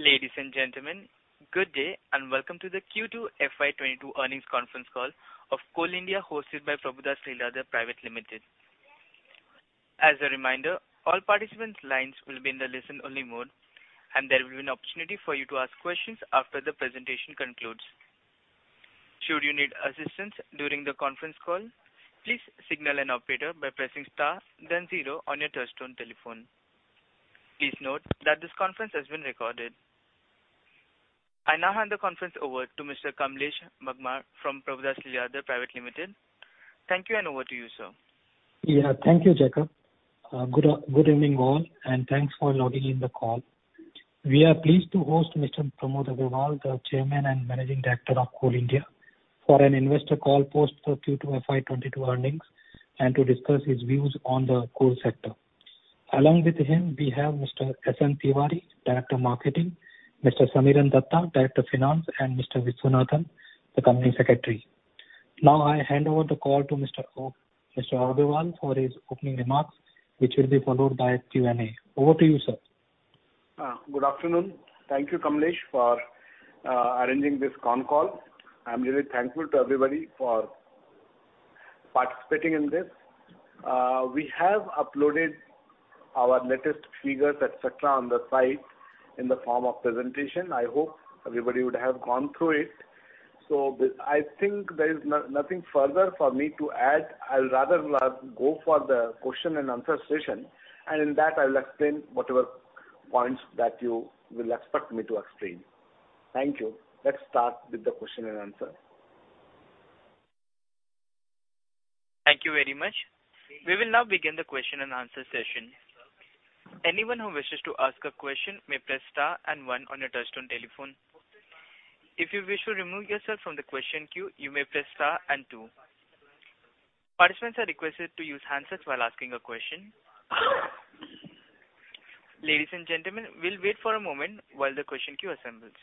Ladies and gentlemen, good day and welcome to the Q2 FY 2022 earnings conference call of Coal India, hosted by Prabhudas Lilladher Private Limited. As a reminder, all participants lines will be in the listen-only mode, and there will be an opportunity for you to ask questions after the presentation concludes. Should you need assistance during the conference call, please signal an operator by pressing star then zero on your touchtone telephone. Please note that this conference has been recorded. I now hand the conference over to Mr. Kamlesh Bagmar from Prabhudas Lilladher Private Limited. Thank you, and over to you, sir. Yeah. Thank you, Jacob. Good evening all, and thanks for logging in the call. We are pleased to host Mr. Pramod Agrawal, the Chairman and Managing Director of Coal India, for an investor call post Q2 FY22 earnings and to discuss his views on the coal sector. Along with him, we have Mr. S.N. Tiwari, Director of Marketing, Mr. Samiran Dutta, Director of Finance, and Mr. Viswanathan, the Company Secretary. Now, I hand over the call to Mr. Agrawal for his opening remarks, which will be followed by Q&A. Over to you, sir. Good afternoon. Thank you, Kamlesh, for arranging this con call. I'm really thankful to everybody for participating in this. We have uploaded our latest figures, et cetera, on the site in the form of presentation. I hope everybody would have gone through it. I think there is nothing further for me to add. I'll rather go for the question and answer session, and in that, I will explain whatever points that you will expect me to explain. Thank you. Let's start with the question and answer. Thank you very much. We will now begin the question and answer session. Anyone who wishes to ask a question may press star and one on your touchtone telephone. If you wish to remove yourself from the question queue, you may press star and two. Participants are requested to use handsets while asking a question. Ladies and gentlemen, we'll wait for a moment while the question queue assembles.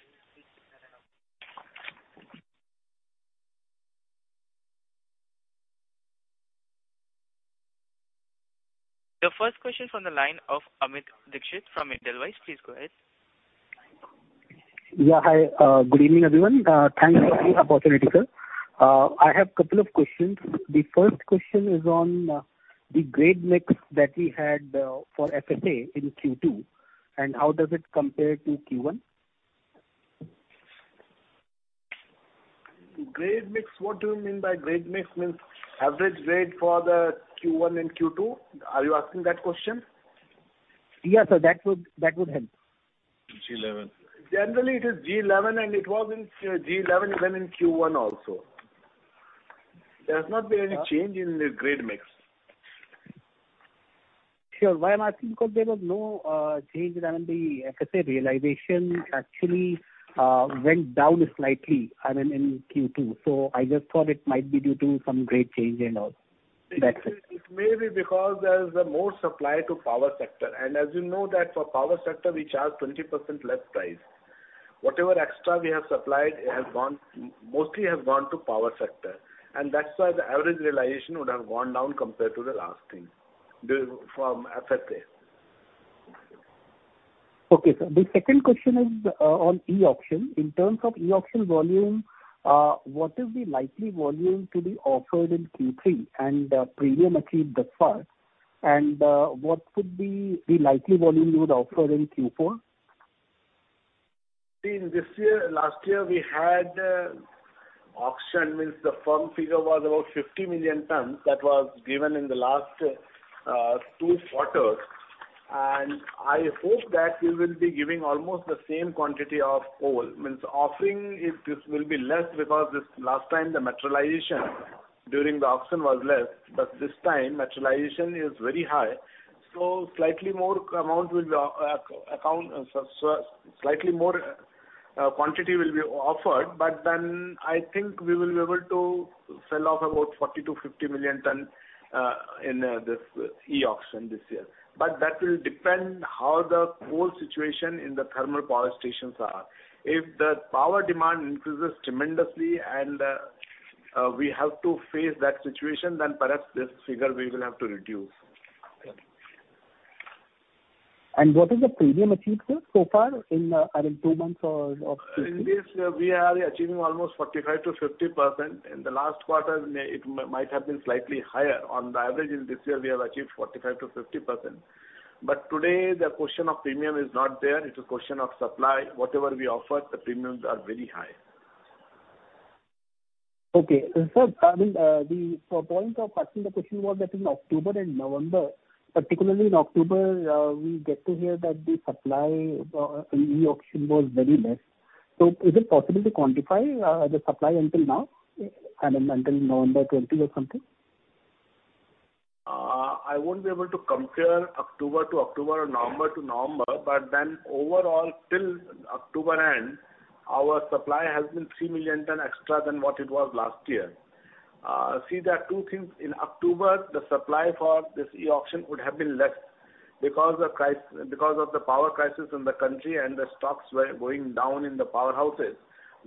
The first question from the line of Amit Dixit from Edelweiss. Please go ahead. Yeah, hi. Good evening, everyone. Thank you for the opportunity, sir. I have a couple of questions. The first question is on the grade mix that we had for FSA in Q2, and how does it compare to Q1? Grade mix. What do you mean by grade mix? Means average grade for the Q1 and Q2? Are you asking that question? Yeah, sir. That would help. G11. Generally, it is G11, and it was in G11 even in Q1 also. There has not been any change in the grade mix. Sure. Why I'm asking because there was no change around the FSA realization actually went down slightly, I mean, in Q2. I just thought it might be due to some grade change and all. That's it. It may be because there is more supply to power sector. As you know that for power sector we charge 20% less price. Whatever extra we have supplied has mostly gone to power sector. That's why the average realization would have gone down compared to the last thing from FSA. Okay, sir. The second question is on e-auction. In terms of e-auction volume, what is the likely volume to be offered in Q3 and premium achieved thus far? What could be the likely volume you would offer in Q4? Last year, we had auction means the firm figure was about 50 million tons. That was given in the last two quarters. I hope that we will be giving almost the same quantity of coal. Means offering it, this will be less because last time the materialization during the auction was less. This time materialization is very high, so slightly more amount will be offered. Slightly more quantity will be offered. Then I think we will be able to sell off about 40-50 million tons in this e-auction this year. That will depend how the coal situation in the thermal power stations are. If the power demand increases tremendously and we have to face that situation, then perhaps this figure we will have to reduce. What is the premium achieved, sir, so far in, I mean, two months or of Q3? In this, we are achieving almost 45%-50%. In the last quarter, it might have been slightly higher. On the average, in this year we have achieved 45%-50%. Today the question of premium is not there. It's a question of supply. Whatever we offer, the premiums are very high. Okay. Sir, I mean, the point of the question was that in October and November, particularly in October, we get to hear that the supply in e-auction was very less. Is it possible to quantify the supply until now, I mean, until November 20 or something? I won't be able to compare October to October or November to November. Overall till October end, our supply has been 3 million tons extra than what it was last year. See, there are two things. In October, the supply for this e-auction would have been less. Because of the power crisis in the country and the stocks were going down in the powerhouses,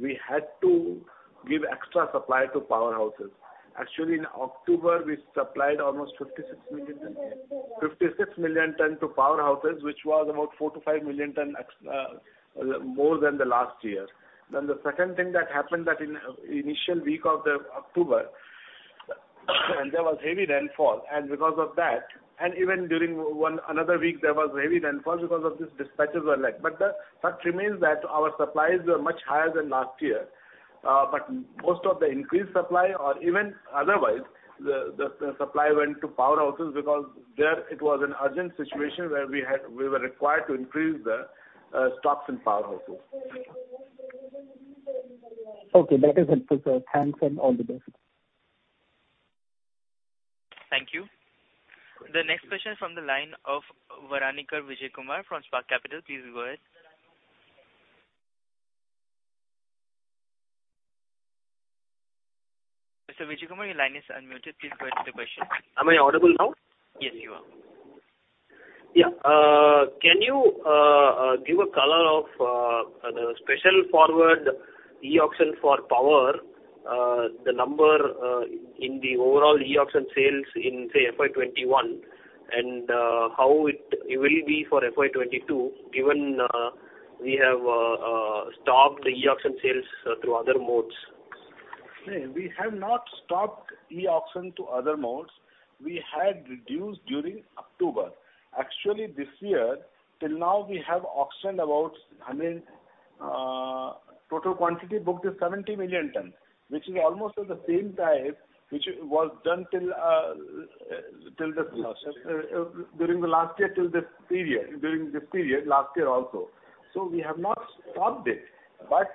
we had to give extra supply to powerhouses. Actually, in October, we supplied almost 56 million tons to powerhouses, which was about 4-5 million tons extra than last year. The second thing that happened is that in the initial week of October, there was heavy rainfall, and because of that, even during another week there was heavy rainfall because of this dispatches were late. The fact remains that our supplies were much higher than last year. Most of the increased supply or even otherwise, the supply went to powerhouses because there it was an urgent situation where we were required to increase the stocks in powerhouses. Okay, that is helpful, sir. Thanks, and all the best. Thank you. The next question from the line of Bharani Vijayakumar from Spark Capital. Please go ahead. Mr. Vijayakumar, your line is unmuted. Please go ahead with your question. Am I audible now? Yes, you are. Yeah. Can you give a color of the special forward e-auction for power, the number in the overall e-auction sales in, say, FY 2021, and how it will be for FY 2022, given we have stopped the e-auction sales through other modes? No, we have not stopped e-auction to other modes. We had reduced during October. Actually, this year, till now we have auctioned about, I mean, total quantity booked is 70 million tons, which is almost at the same time, which was done till the- Last year. During this period last year also, we have not stopped it, but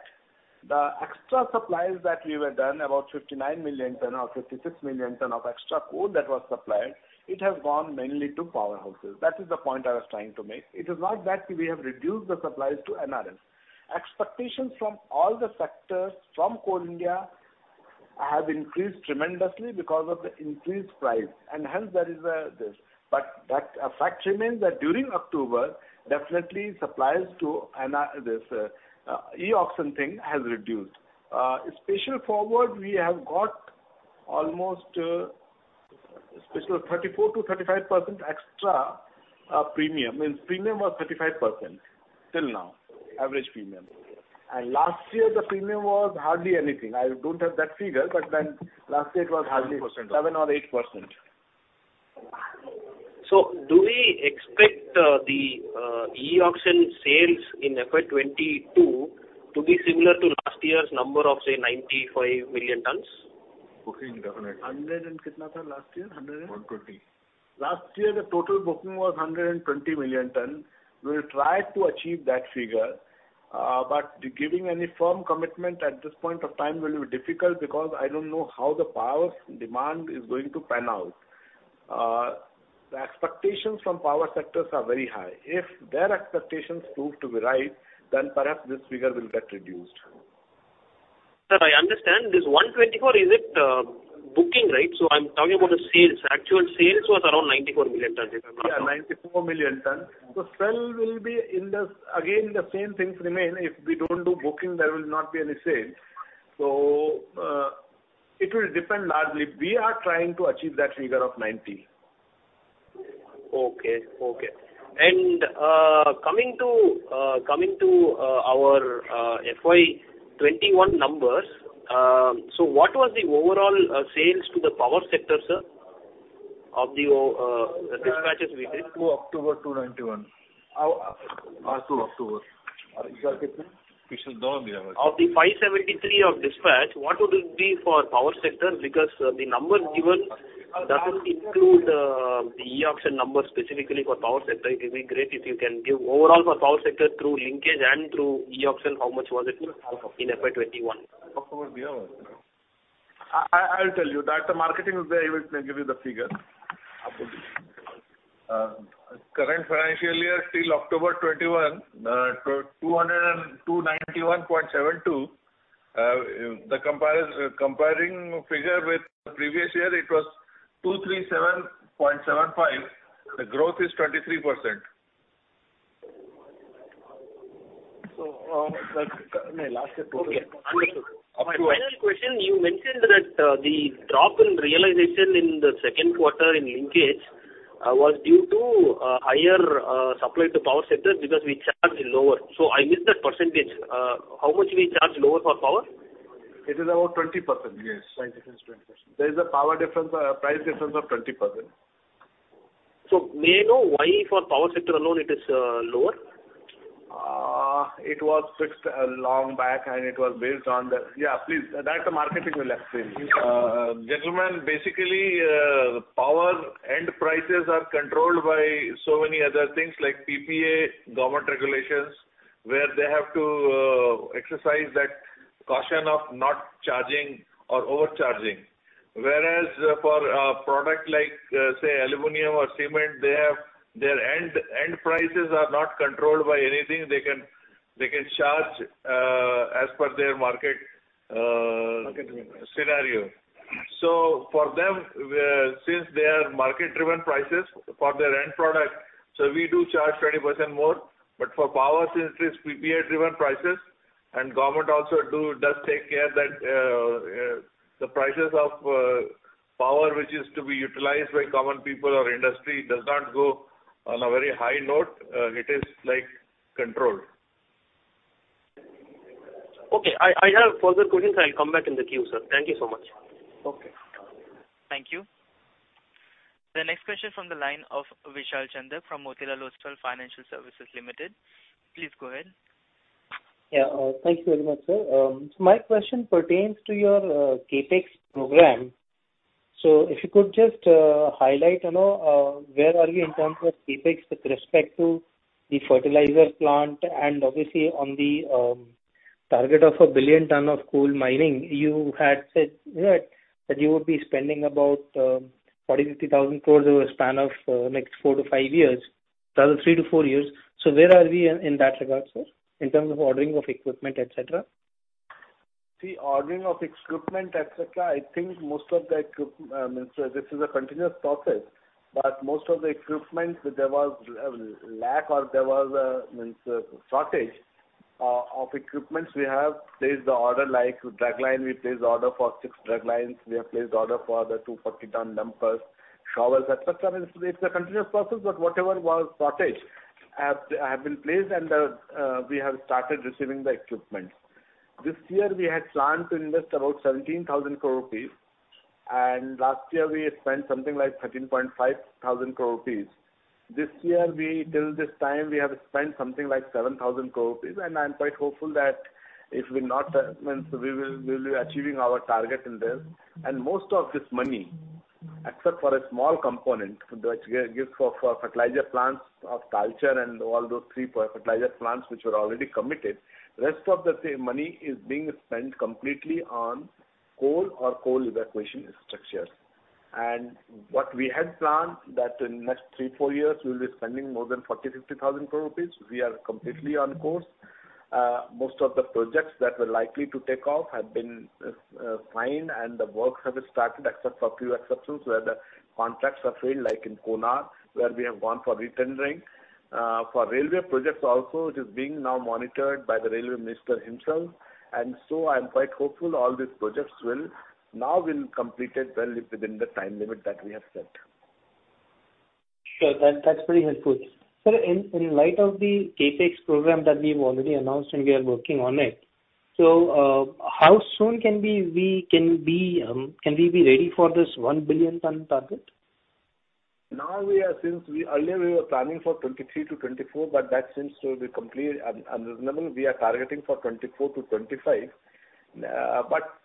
the extra supplies that we were doing, about 59 million tons or 56 million tons of extra coal that was supplied, it has gone mainly to powerhouses. That is the point I was trying to make. It is not that we have reduced the supplies to NRs. Expectations from all the sectors from Coal India have increased tremendously because of the increased price, and hence there is this. That fact remains that during October, definitely supplies to NR, this e-auction thing has reduced. Special forward, we have got almost special 34%-35% extra premium. The premium was 35% till now, average premium. Last year, the premium was hardly anything. I don't have that figure, but then last year it was hardly. 7%. 7 or 8%. Do we expect the e-auction sales in FY 2022 to be similar to last year's number of, say, 95 million tons? Booking definitely. 100 and last year. 120. Last year, the total booking was 120 million tons. We'll try to achieve that figure, but giving any firm commitment at this point of time will be difficult because I don't know how the power demand is going to pan out. The expectations from power sectors are very high. If their expectations prove to be right, then perhaps this figure will get reduced. Sir, I understand. This 124, is it booking, right? So I'm talking about the sales. Actual sales was around 94 million tons, if I'm not wrong. Yeah, 94 million tons. The sales will be. Again, the same things remain. If we don't do booking, there will not be any sales. It will depend largely. We are trying to achieve that figure of 90. Okay, coming to our FY 2021 numbers, what was the overall sales to the power sector, sir, of the dispatches we did? To October 2, 1991. As to October. Of the 573 of dispatch, what would it be for power sector? Because the number given doesn't include the e-auction number specifically for power sector. It will be great if you can give overall for power sector through linkage and through e-auction, how much was it in FY 2021? I will tell you. That the marketing is there. He will give you the figure. Current financial year till October 2021, 291.72. The comparative figure with the previous year was 237.75. The growth is 23%. Okay. My final question, you mentioned that the drop in realization in the second quarter in linkage was due to higher supply to power sector because we charge lower. I missed that percentage. How much we charge lower for power? It is about 20%. Yes. Price difference 20%. There is a price difference of 20%. May I know why for power sector alone it is lower? It was fixed long back and it was based on the. Yeah, please. That the marketing will explain. Gentlemen, basically, power end prices are controlled by so many other things like PPA, government regulations, where they have to exercise that caution of not charging or overcharging. Whereas for a product like, say, aluminum or cement, they have their end prices are not controlled by anything. They can charge as per their market scenario. For them, since they are market driven prices for their end product, we do charge 20% more. But for power, since it's PPA driven prices and government also does take care that, the prices of power which is to be utilized by common people or industry does not go on a very high note. It is like controlled. Okay. I have further questions. I'll come back in the queue, sir. Thank you so much. Okay. Thank you. The next question from the line of Vishal Chandak from Motilal Oswal Financial Services Limited. Please go ahead. Yeah. Thank you very much, sir. My question pertains to your CapEx program. If you could just highlight, you know, where are you in terms of CapEx with respect to the fertilizer plant and obviously on the target of 1 billion tonne of coal mining. You had said that you would be spending about 40,000 crore-50,000 crore over a span of next 4-5 years, rather 3-4 years. Where are we in that regard, sir, in terms of ordering of equipment, et cetera? See, ordering of equipment, et cetera, I think most of the equipment there was lack or there was shortage of equipment. We have placed the order like draglines. We placed the order for six draglines. We have placed order for the 240-ton dumpers, shovels, et cetera. I mean, it's a continuous process, but whatever was shortage have been placed and we have started receiving the equipment. This year we had planned to invest about 17,000 crore rupees, and last year we had spent something like 13,500 crore rupees. This year we, till this time, we have spent something like 7,000 crore rupees, and I'm quite hopeful that if we're not, means we will, we'll be achieving our target in this. Most of this money, except for a small component which goes for fertilizer plants of Talcher and all those 3 fertilizer plants which were already committed, rest of the money is being spent completely on coal or coal evacuation structures. What we had planned that in next 3-4 years we will be spending more than 40,000-50,000 crore rupees. We are completely on course. Most of the projects that were likely to take off have been signed and the work have started except for few exceptions where the contracts are failed, like in Konar, where we have gone for retendering. For railway projects also, it is being now monitored by the Railway Minister himself. I'm quite hopeful all these projects will now completed well within the time limit that we have set. Sure. That's very helpful. Sir, in light of the CapEx program that we've already announced and we are working on it, so how soon can we be ready for this 1 billion-ton target? We were planning for 2023-2024, but that seems to be complete and reasonable. We are targeting for 2024-2025.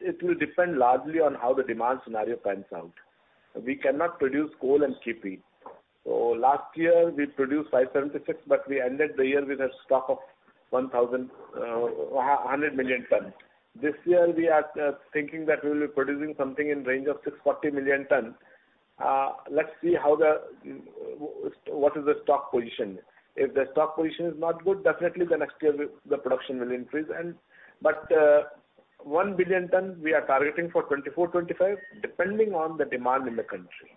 It will depend largely on how the demand scenario pans out. We cannot produce coal and keep it. Last year we produced 576, but we ended the year with a stock of 1,100 million tons. This year we are thinking that we will be producing something in range of 640 million tons. Let's see what the stock position is. If the stock position is not good, definitely next year the production will increase, but 1 billion tons we are targeting for 2024-2025, depending on the demand in the country.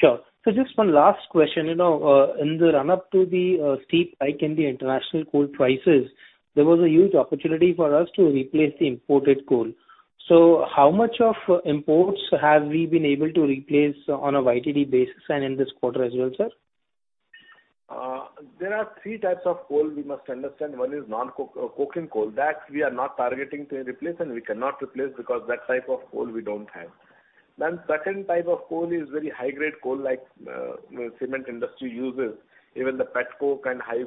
Sure. Just one last question. You know, in the run up to the steep hike in the international coal prices, there was a huge opportunity for us to replace the imported coal. How much of imports have we been able to replace on a YTD basis and in this quarter as well, sir? There are three types of coal we must understand. One is non-coking coal. That we are not targeting to replace, and we cannot replace because that type of coal we don't have. Second type of coal is very high grade coal like cement industry uses, even the pet coke and high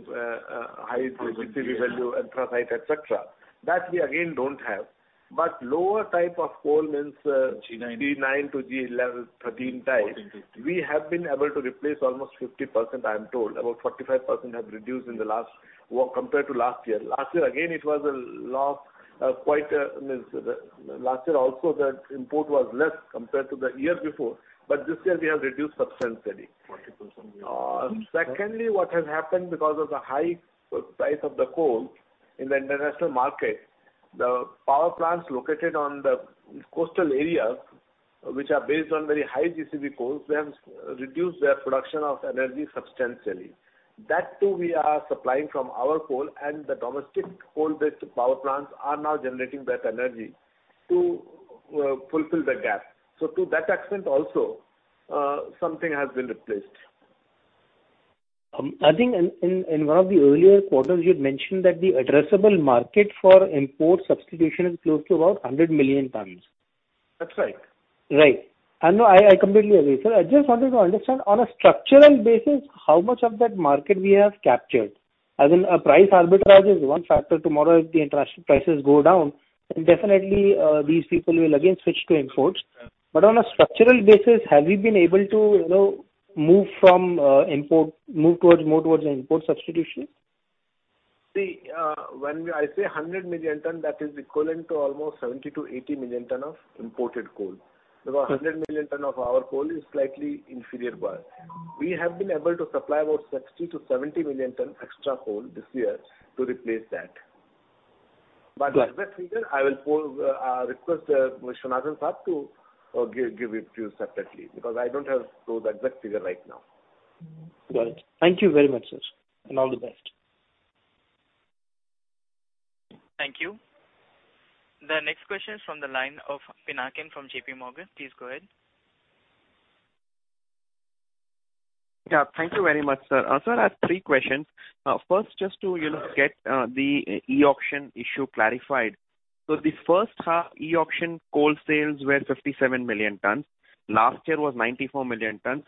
GCV value anthracite, et cetera. That we again don't have. Lower type of coal means G9. G9-G11, 13 type. 14-15. We have been able to replace almost 50%, I am told. About 45% have reduced in the last year compared to last year. Last year again, it was a loss, I mean, last year also the import was less compared to the year before, but this year we have reduced substantially. 40%. Secondly, what has happened because of the high price of the coal in the international market, the power plants located on the coastal areas which are based on very high GCV coals, they have reduced their production of energy substantially. That too we are supplying from our coal. The domestic coal-based power plants are now generating that energy to fulfill the gap. To that extent also, something has been replaced. I think in one of the earlier quarters, you'd mentioned that the addressable market for import substitution is close to about 100 million tons. That's right. Right. No, I completely agree. Sir, I just wanted to understand on a structural basis, how much of that market we have captured? As in, a price arbitrage is one factor. Tomorrow, if the international prices go down, then definitely, these people will again switch to imports. Yeah. On a structural basis, have we been able to, you know, move from import, move towards more towards import substitution? See, when I say 100 million tons, that is equivalent to almost 70-80 million tons of imported coal. There were 100 million tons of our coal is slightly inferior but we have been able to supply about 60-70 million tons extra coal this year to replace that. Right. The exact figure, I will request Mr. Nathan Saab to give it to you separately because I don't have those exact figure right now. Got it. Thank you very much, sir, and all the best. Thank you. The next question is from the line of Pinakin Parekh from JP Morgan. Please go ahead. Yeah, thank you very much, sir. Sir, I have three questions. First, just to, you know, get the e-auction issue clarified. So the first half e-auction coal sales were 57 million tons. Last year was 94 million tons.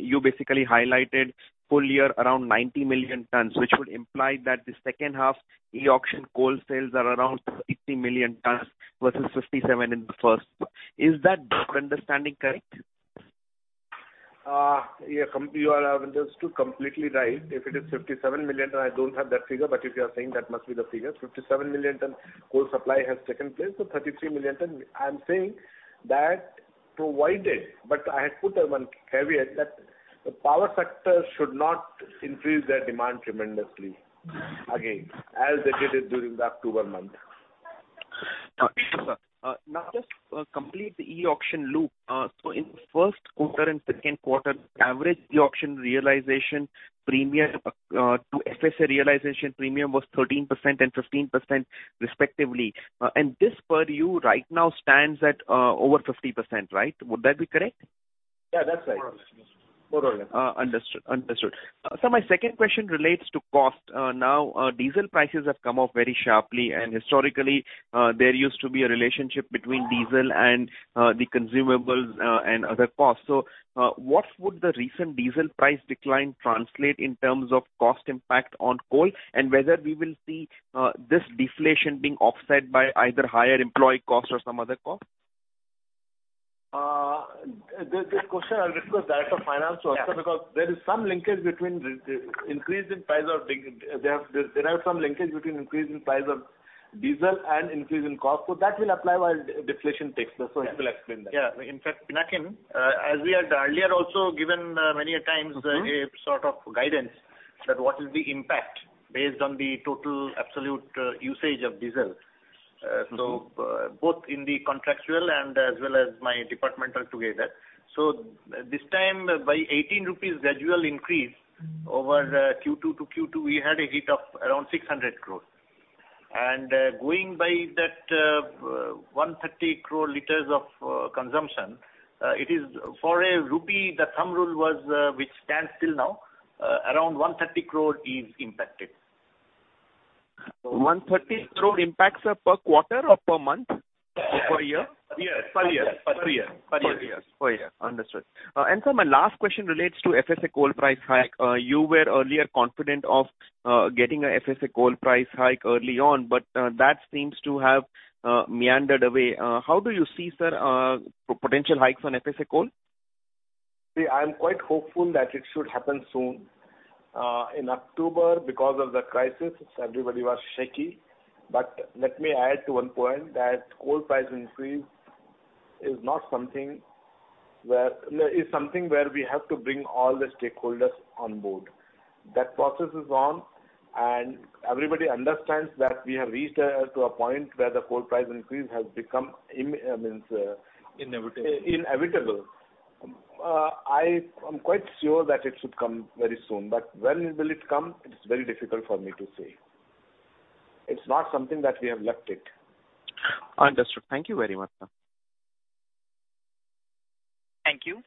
You basically highlighted full year around 90 million tons, which would imply that the second half e-auction coal sales are around 50 million tons versus 57 in the first. Is that understanding correct? Yeah, you are just completely right. If it is 57 million tons, I don't have that figure, but if you are saying that must be the figure. 57 million tons coal supply has taken place, so 33 million tons. I'm saying that provided, but I had put one caveat that the power sector should not increase their demand tremendously again, as they did it during the October month. Got you, sir. Now just complete the e-auction loop. In first quarter and second quarter, average e-auction realization premium to FSA realization premium was 13% and 15% respectively. This per you right now stands at over 50%, right? Would that be correct? Yeah, that's right. Correct. Understood. Sir, my second question relates to cost. Now, diesel prices have come off very sharply, and historically, there used to be a relationship between diesel and the consumables and other costs. What would the recent diesel price decline translate in terms of cost impact on coal and whether we will see this deflation being offset by either higher employee costs or some other cost? This question I'll request that to finance also. Yeah. Because there is some linkage between increase in price of diesel and increase in cost. That will apply while deflation takes place. He will explain that. Yeah. In fact, Pinakin, as we had earlier also given, many a times. Mm-hmm. A sort of guidance that what is the impact based on the total absolute usage of diesel. Both in the contractual and as well as my departmental together. This time by 18 rupees gradual increase over Q2 to Q2, we had a hit of around 600 crore. Going by that, 130 crore liters of consumption, it is for a rupee, the thumb rule was, which stands till now, around 130 crore is impacted. 130 crore impacts are per quarter or per month? Per year. Per year. Per year. Per year. Per year. Understood. Sir, my last question relates to FSA coal price hike. You were earlier confident of getting a FSA coal price hike early on, but that seems to have meandered away. How do you see, sir, potential hikes on FSA coal? See, I am quite hopeful that it should happen soon. In October, because of the crisis, everybody was shaky. Let me add to one point that coal price increase is not something where we have to bring all the stakeholders on board. That process is on, and everybody understands that we have reached to a point where the coal price increase has become Inevitable. Inevitable. I'm quite sure that it should come very soon. When will it come? It's very difficult for me to say. It's not something that we have left it. Understood. Thank you very much, sir. Thank you.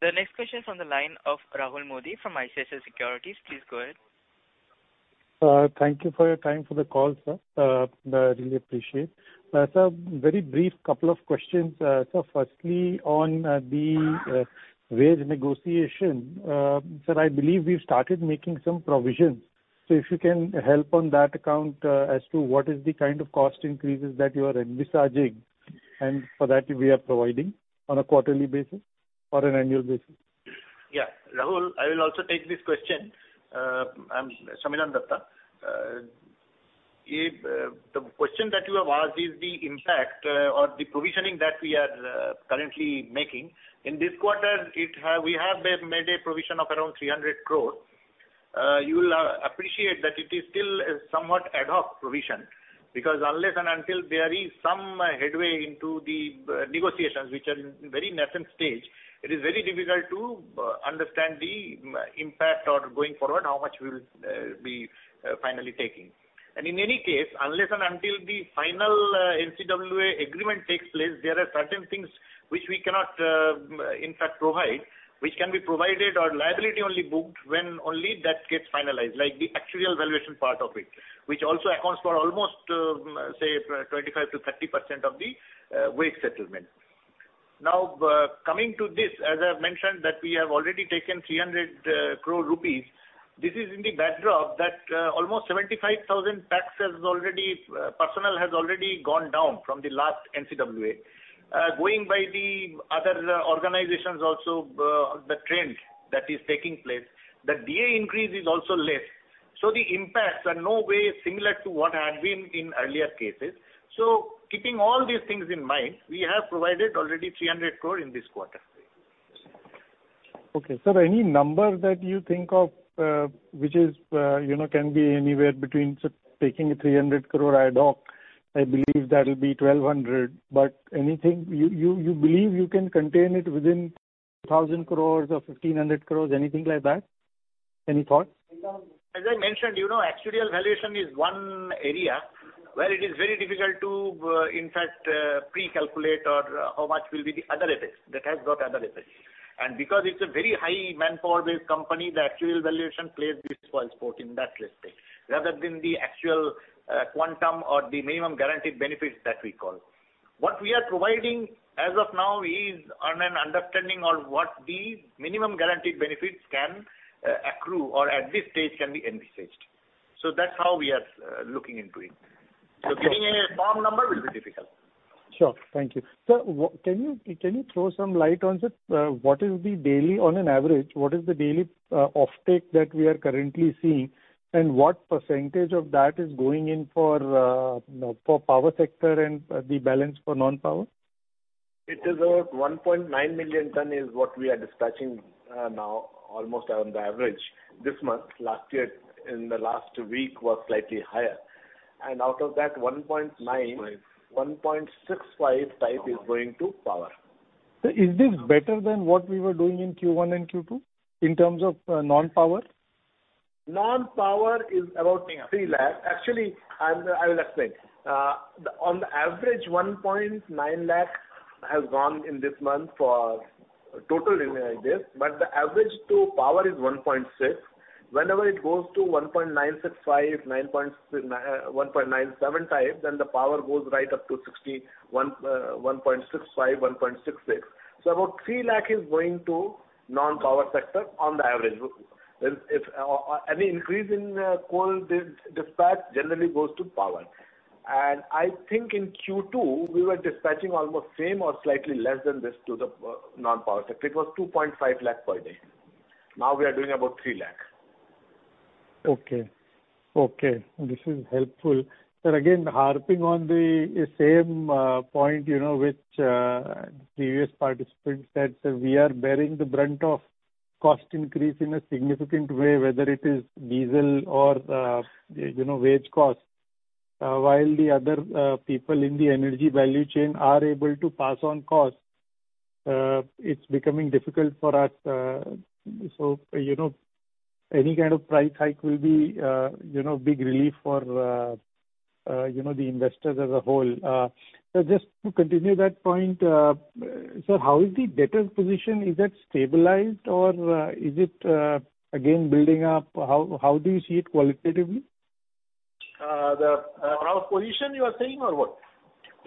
The next question is from the line of Rahul Modi from ICICI Securities. Please go ahead. Thank you for your time for the call, sir. I really appreciate. Sir, very brief couple of questions. Firstly, on the wage negotiation, sir, I believe we've started making some provisions. If you can help on that account, as to what is the kind of cost increases that you are envisaging, and for that we are providing on a quarterly basis or an annual basis. Rahul, I will also take this question. I'm Samiran Dutta. If the question that you have asked is the impact or the provisioning that we are currently making. In this quarter, we have made a provision of around 300 crore. You will appreciate that it is still a somewhat ad hoc provision because unless and until there is some headway into the negotiations which are in very nascent stage, it is very difficult to understand the impact or going forward, how much we will be finally taking. In any case, unless and until the final NCWA agreement takes place, there are certain things which we cannot in fact provide, which can be provided or liability only booked when only that gets finalized, like the actuarial valuation part of it, which also accounts for almost, say 25%-30% of the wage settlement. Now, coming to this, as I've mentioned that we have already taken 300 crore rupees. This is in the backdrop that almost 75,000 personnel has already gone down from the last NCWA. Going by the Other organizations also, the trend that is taking place, the DA increase is also less. The impacts are no way similar to what had been in earlier cases. Keeping all these things in mind, we have provided already 300 crore in this quarter. Okay. Sir, any number that you think of, which is, you know, can be anywhere between say taking a 300 crore ad hoc, I believe that'll be 1,200. But anything you believe you can contain it within 1,000 crores or 1,500 crores, anything like that? Any thoughts? As I mentioned, you know, actuarial valuation is one area where it is very difficult to, in fact, pre-calculate or how much will be the other effects, that has got other effects. Because it's a very high manpower-based company, the actuarial valuation plays big spoilsport in that respect, rather than the actual, quantum or the minimum guaranteed benefits that we call. What we are providing as of now is on an understanding on what the minimum guaranteed benefits can, accrue or at this stage can be envisaged. That's how we are looking into it. Okay. Getting a firm number will be difficult. Sure. Thank you. Sir, can you throw some light on, sir, what is the daily on an average offtake that we are currently seeing, and what percentage of that is going in for power sector and the balance for non-power? It is about 1.9 million tons is what we are dispatching now almost on the average. This month last year in the last week was slightly higher. Out of that 1.9- 0.5. 1.65 type is going to power. Sir, is this better than what we were doing in Q1 and Q2 in terms of non-power? Non-power is about 3 lakh. Actually, I will explain. On average, 1.9 lakh has gone in this month for total in this. But the average to power is 1.6. Whenever it goes to 1.96-1.97, then the power goes right up to 1.61, 1.65, 1.66. So about 3 lakh is going to non-power sector on average. If any increase in coal dispatch generally goes to power. I think in Q2, we were dispatching almost same or slightly less than this to the non-power sector. It was 2.5 lakh per day. Now we are doing about 3 lakh. Okay. This is helpful. Sir, again, harping on the same point, you know, which previous participant said, sir, we are bearing the brunt of cost increase in a significant way, whether it is diesel or, you know, wage costs. While the other people in the energy value chain are able to pass on costs, it's becoming difficult for us. You know, any kind of price hike will be, you know, big relief for, you know, the investors as a whole. Just to continue that point, sir, how is the debtors position? Is that stabilized or is it again building up? How do you see it qualitatively? The overall position you are saying or what?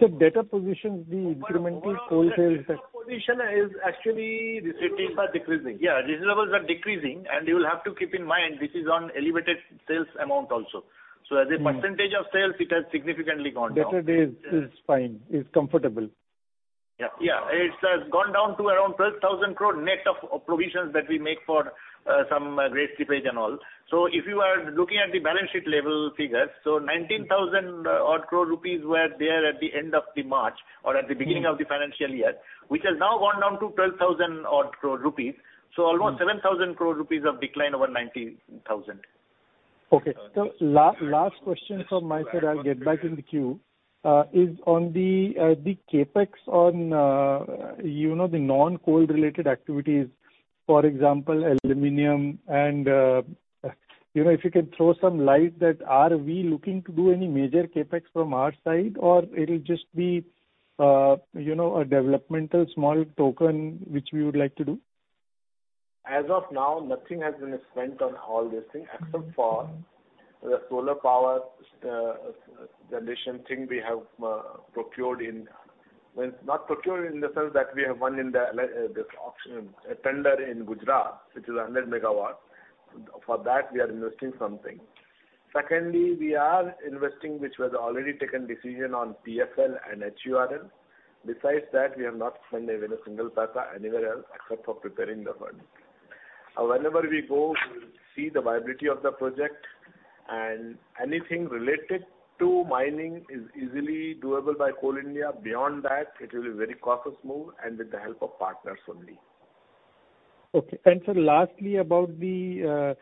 Sir, debtor position, the incremental coal sales. Overall debtor position is actually. Receivables are decreasing. Yeah, receivables are decreasing, and you will have to keep in mind this is on elevated sales amount also. Mm-hmm. As a percentage of sales, it has significantly gone down. Debtor days is fine, is comfortable. It's gone down to around 12,000 crore net of provisions that we make for some great slippage and all. If you are looking at the balance sheet level figures, 19,000-odd crore rupees were there at the end of March or at the beginning of the financial year, which has now gone down to 12,000-odd crore rupees. Almost 7,000 crore rupees have declined over 19,000. Okay. Last question from my side, I'll get back in the queue. Is on the CapEx on, you know, the non-coal related activities, for example, aluminum and, you know, if you can throw some light that are we looking to do any major CapEx from our side, or it'll just be, you know, a developmental small token which we would like to do? As of now, nothing has been spent on all these things except for the solar power generation thing we have procured. Well, not procured in the sense that we have won this auction, a tender in Gujarat, which is 100 MW. For that, we are investing something. Secondly, we are investing, which was already taken decision on FCIL and HURL. Besides that, we have not spent even a single paisa anywhere else except for preparing the fund. Whenever we go, we'll see the viability of the project and anything related to mining is easily doable by Coal India. Beyond that, it will be very cautious move and with the help of partners only. Okay. Sir, lastly about the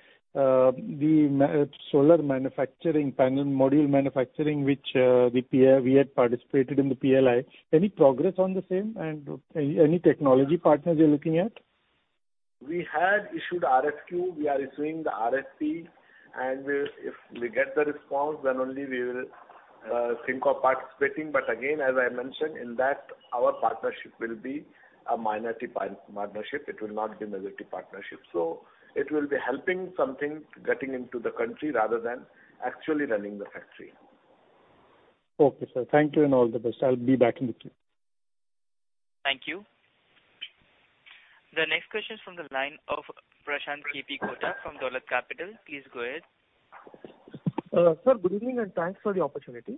solar manufacturing panel, module manufacturing, which we had participated in the PLI. Any progress on the same and any technology partners you're looking at? We had issued RFQ. We are issuing the RFP, and we'll, if we get the response, then only we will think of participating. Again, as I mentioned, in that our partnership will be a minority partnership. It will not be majority partnership. It will be helping something getting into the country rather than actually running the factory. Okay, sir. Thank you and all the best. I'll be back in the queue. Thank you. The next question is from the line of Prashanth Kota from Dolat Capital. Please go ahead. Sir, good evening, and thanks for the opportunity.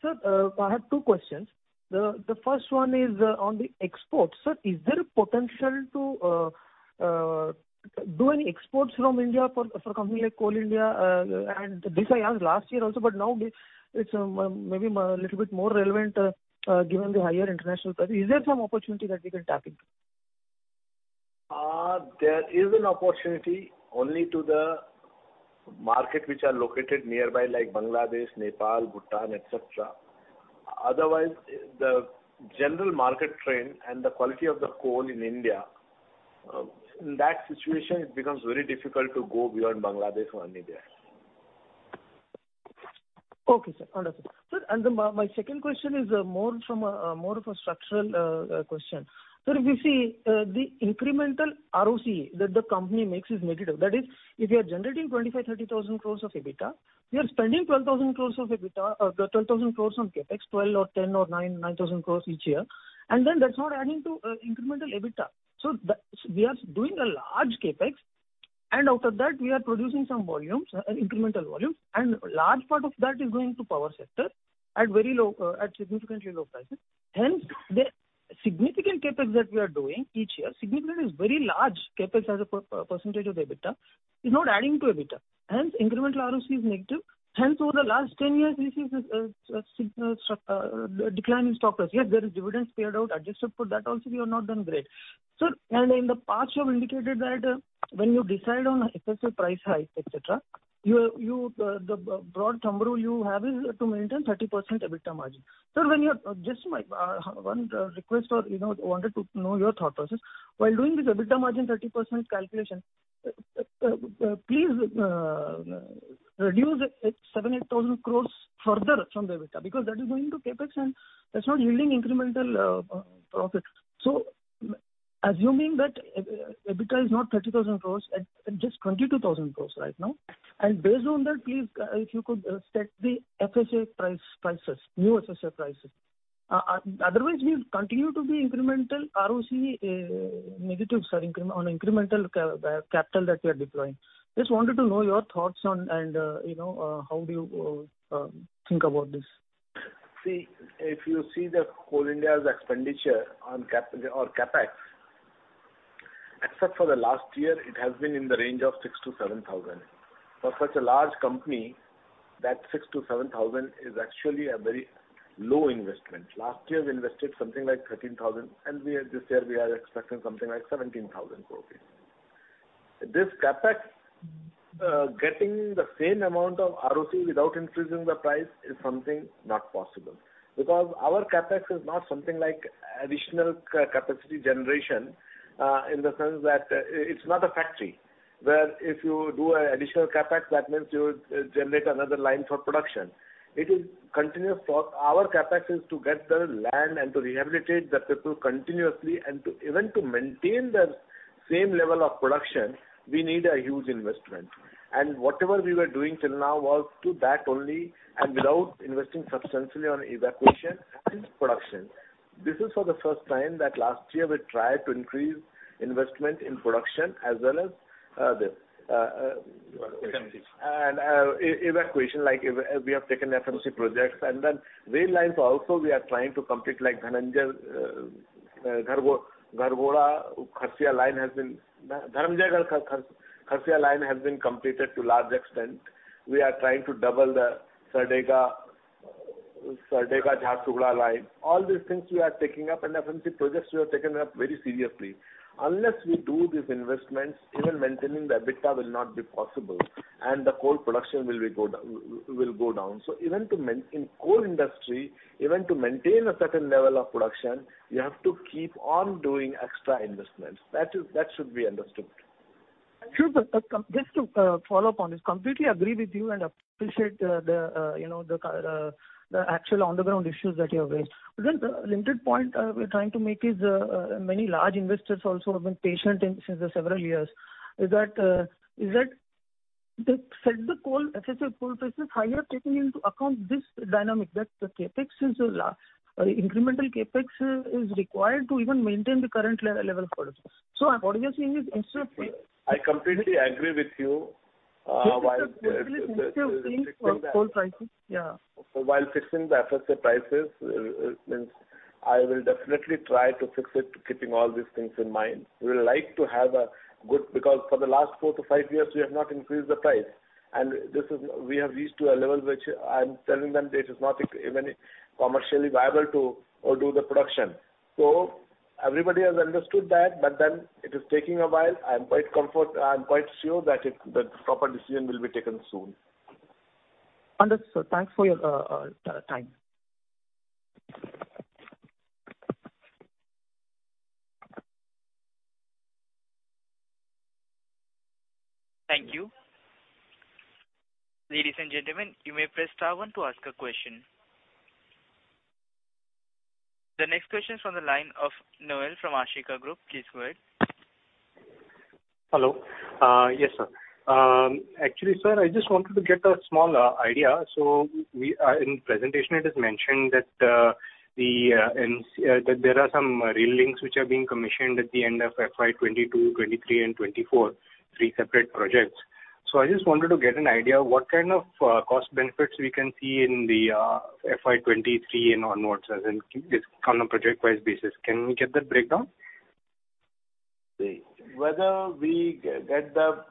Sir, I have two questions. The first one is on the exports. Sir, is there a potential to do any exports from India for a company like Coal India? This I asked last year also, but now this it's maybe a little bit more relevant given the higher international price. Is there some opportunity that we can tap into? There is an opportunity only to the market which are located nearby, like Bangladesh, Nepal, Bhutan, et cetera. Otherwise, the general market trend and the quality of the coal in India, in that situation, it becomes very difficult to go beyond Bangladesh only there. Okay, sir. Wonderful. Sir, my second question is more from a more of a structural question. Sir, if you see the incremental ROCE that the company makes is negative. That is, if you are generating 25,000-30,000 crores of EBITDA, we are spending 12,000 crores of EBITDA, the 12,000 crores on CapEx, 12 or 10 or 9,000 crores each year. Then that's not adding to incremental EBITDA. So we are doing a large CapEx, and after that we are producing some volumes, incremental volumes, and large part of that is going to power sector at very low, at significantly low prices. Hence, the significant CapEx that we are doing each year, significant is very large CapEx as a percentage of EBITDA, is not adding to EBITDA. Hence, incremental ROCE is negative. Hence, over the last 10 years, we see significant structural decline in shareholders, yet there is dividends paid out. Adjusted for that also, we have not done great. Sir, in the past you have indicated that, when you decide on FSA price hike, et cetera, you, the broad thumb rule you have is to maintain 30% EBITDA margin. Sir, when you are just my one request or, you know, wanted to know your thought process. While doing this EBITDA margin 30% calculation, please reduce it 7,000 crore-8,000 crore further from the EBITDA, because that is going to CapEx and that's not yielding incremental profit. Assuming that EBITDA is not 30,000 crore, at just 22,000 crore right now, and based on that, please, if you could set the new FSA prices. Otherwise we'll continue to be incremental ROCE negative, sir, on incremental capital that we are deploying. Just wanted to know your thoughts on and, you know, how do you think about this? See, if you see Coal India's expenditure on capital or CapEx, except for the last year, it has been in the range of 6-7 thousand. For such a large company, that 6-7 thousand is actually a very low investment. Last year we invested something like 13,000, and this year we are expecting something like 17,000 crore. This CapEx, getting the same amount of ROCE without increasing the price is something not possible. Because our CapEx is not something like additional capacity generation, in the sense that, it's not a factory, where if you do additional CapEx, that means you generate another line for production. It is continuous. Our CapEx is to get the land and to rehabilitate the people continuously, and to even maintain the same level of production, we need a huge investment. Whatever we were doing till now was to that only and without investing substantially on evacuation and production. This is for the first time that last year we tried to increase investment in production as well as Evacuation. Evacuation, like we have taken FMC projects. Rail lines also we are trying to complete like Dharamjaygarh, Gharghoda-Kharsia line has been, Dharamjaygarh-Kharsia line has been completed to large extent. We are trying to double the Sardega-Jharsuguda line. All these things we are taking up, and FMC projects we have taken up very seriously. Unless we do these investments, even maintaining the EBITDA will not be possible, and the coal production will go down. Even in coal industry, even to maintain a certain level of production, you have to keep on doing extra investments. That is, that should be understood. Sure, just to follow up on this. I completely agree with you and appreciate you know, the actual on the ground issues that you have raised. The limited point we're trying to make is that many large investors also have been patient since several years that they set the coal FSA coal prices higher, taking into account this dynamic that the CapEx is so large or the incremental CapEx is required to even maintain the current level of production. What you are seeing is instead of- I completely agree with you. Basically, instead of seeing coal prices, yeah. While fixing the FSA prices, means I will definitely try to fix it keeping all these things in mind. We would like to have a good. For the last four to five years, we have not increased the price. This is, we have reached to a level which I'm telling them this is not even commercially viable to do the production. Everybody has understood that, but then it is taking a while. I'm quite sure that proper decision will be taken soon. Understood. Sir, thanks for your time. Thank you. Ladies and gentlemen, you may press star one to ask a question. The next question is from the line of Noel from Ashika Group. Please go ahead. Hello. Yes, sir. Actually, sir, I just wanted to get a small idea. In the presentation it is mentioned that there are some rail links which are being commissioned at the end of FY 2022, 2023 and 2024, three separate projects. I just wanted to get an idea what kind of cost benefits we can see in the FY 2023 and onwards as in this on a project-wide basis. Can we get that breakdown? Whether we get the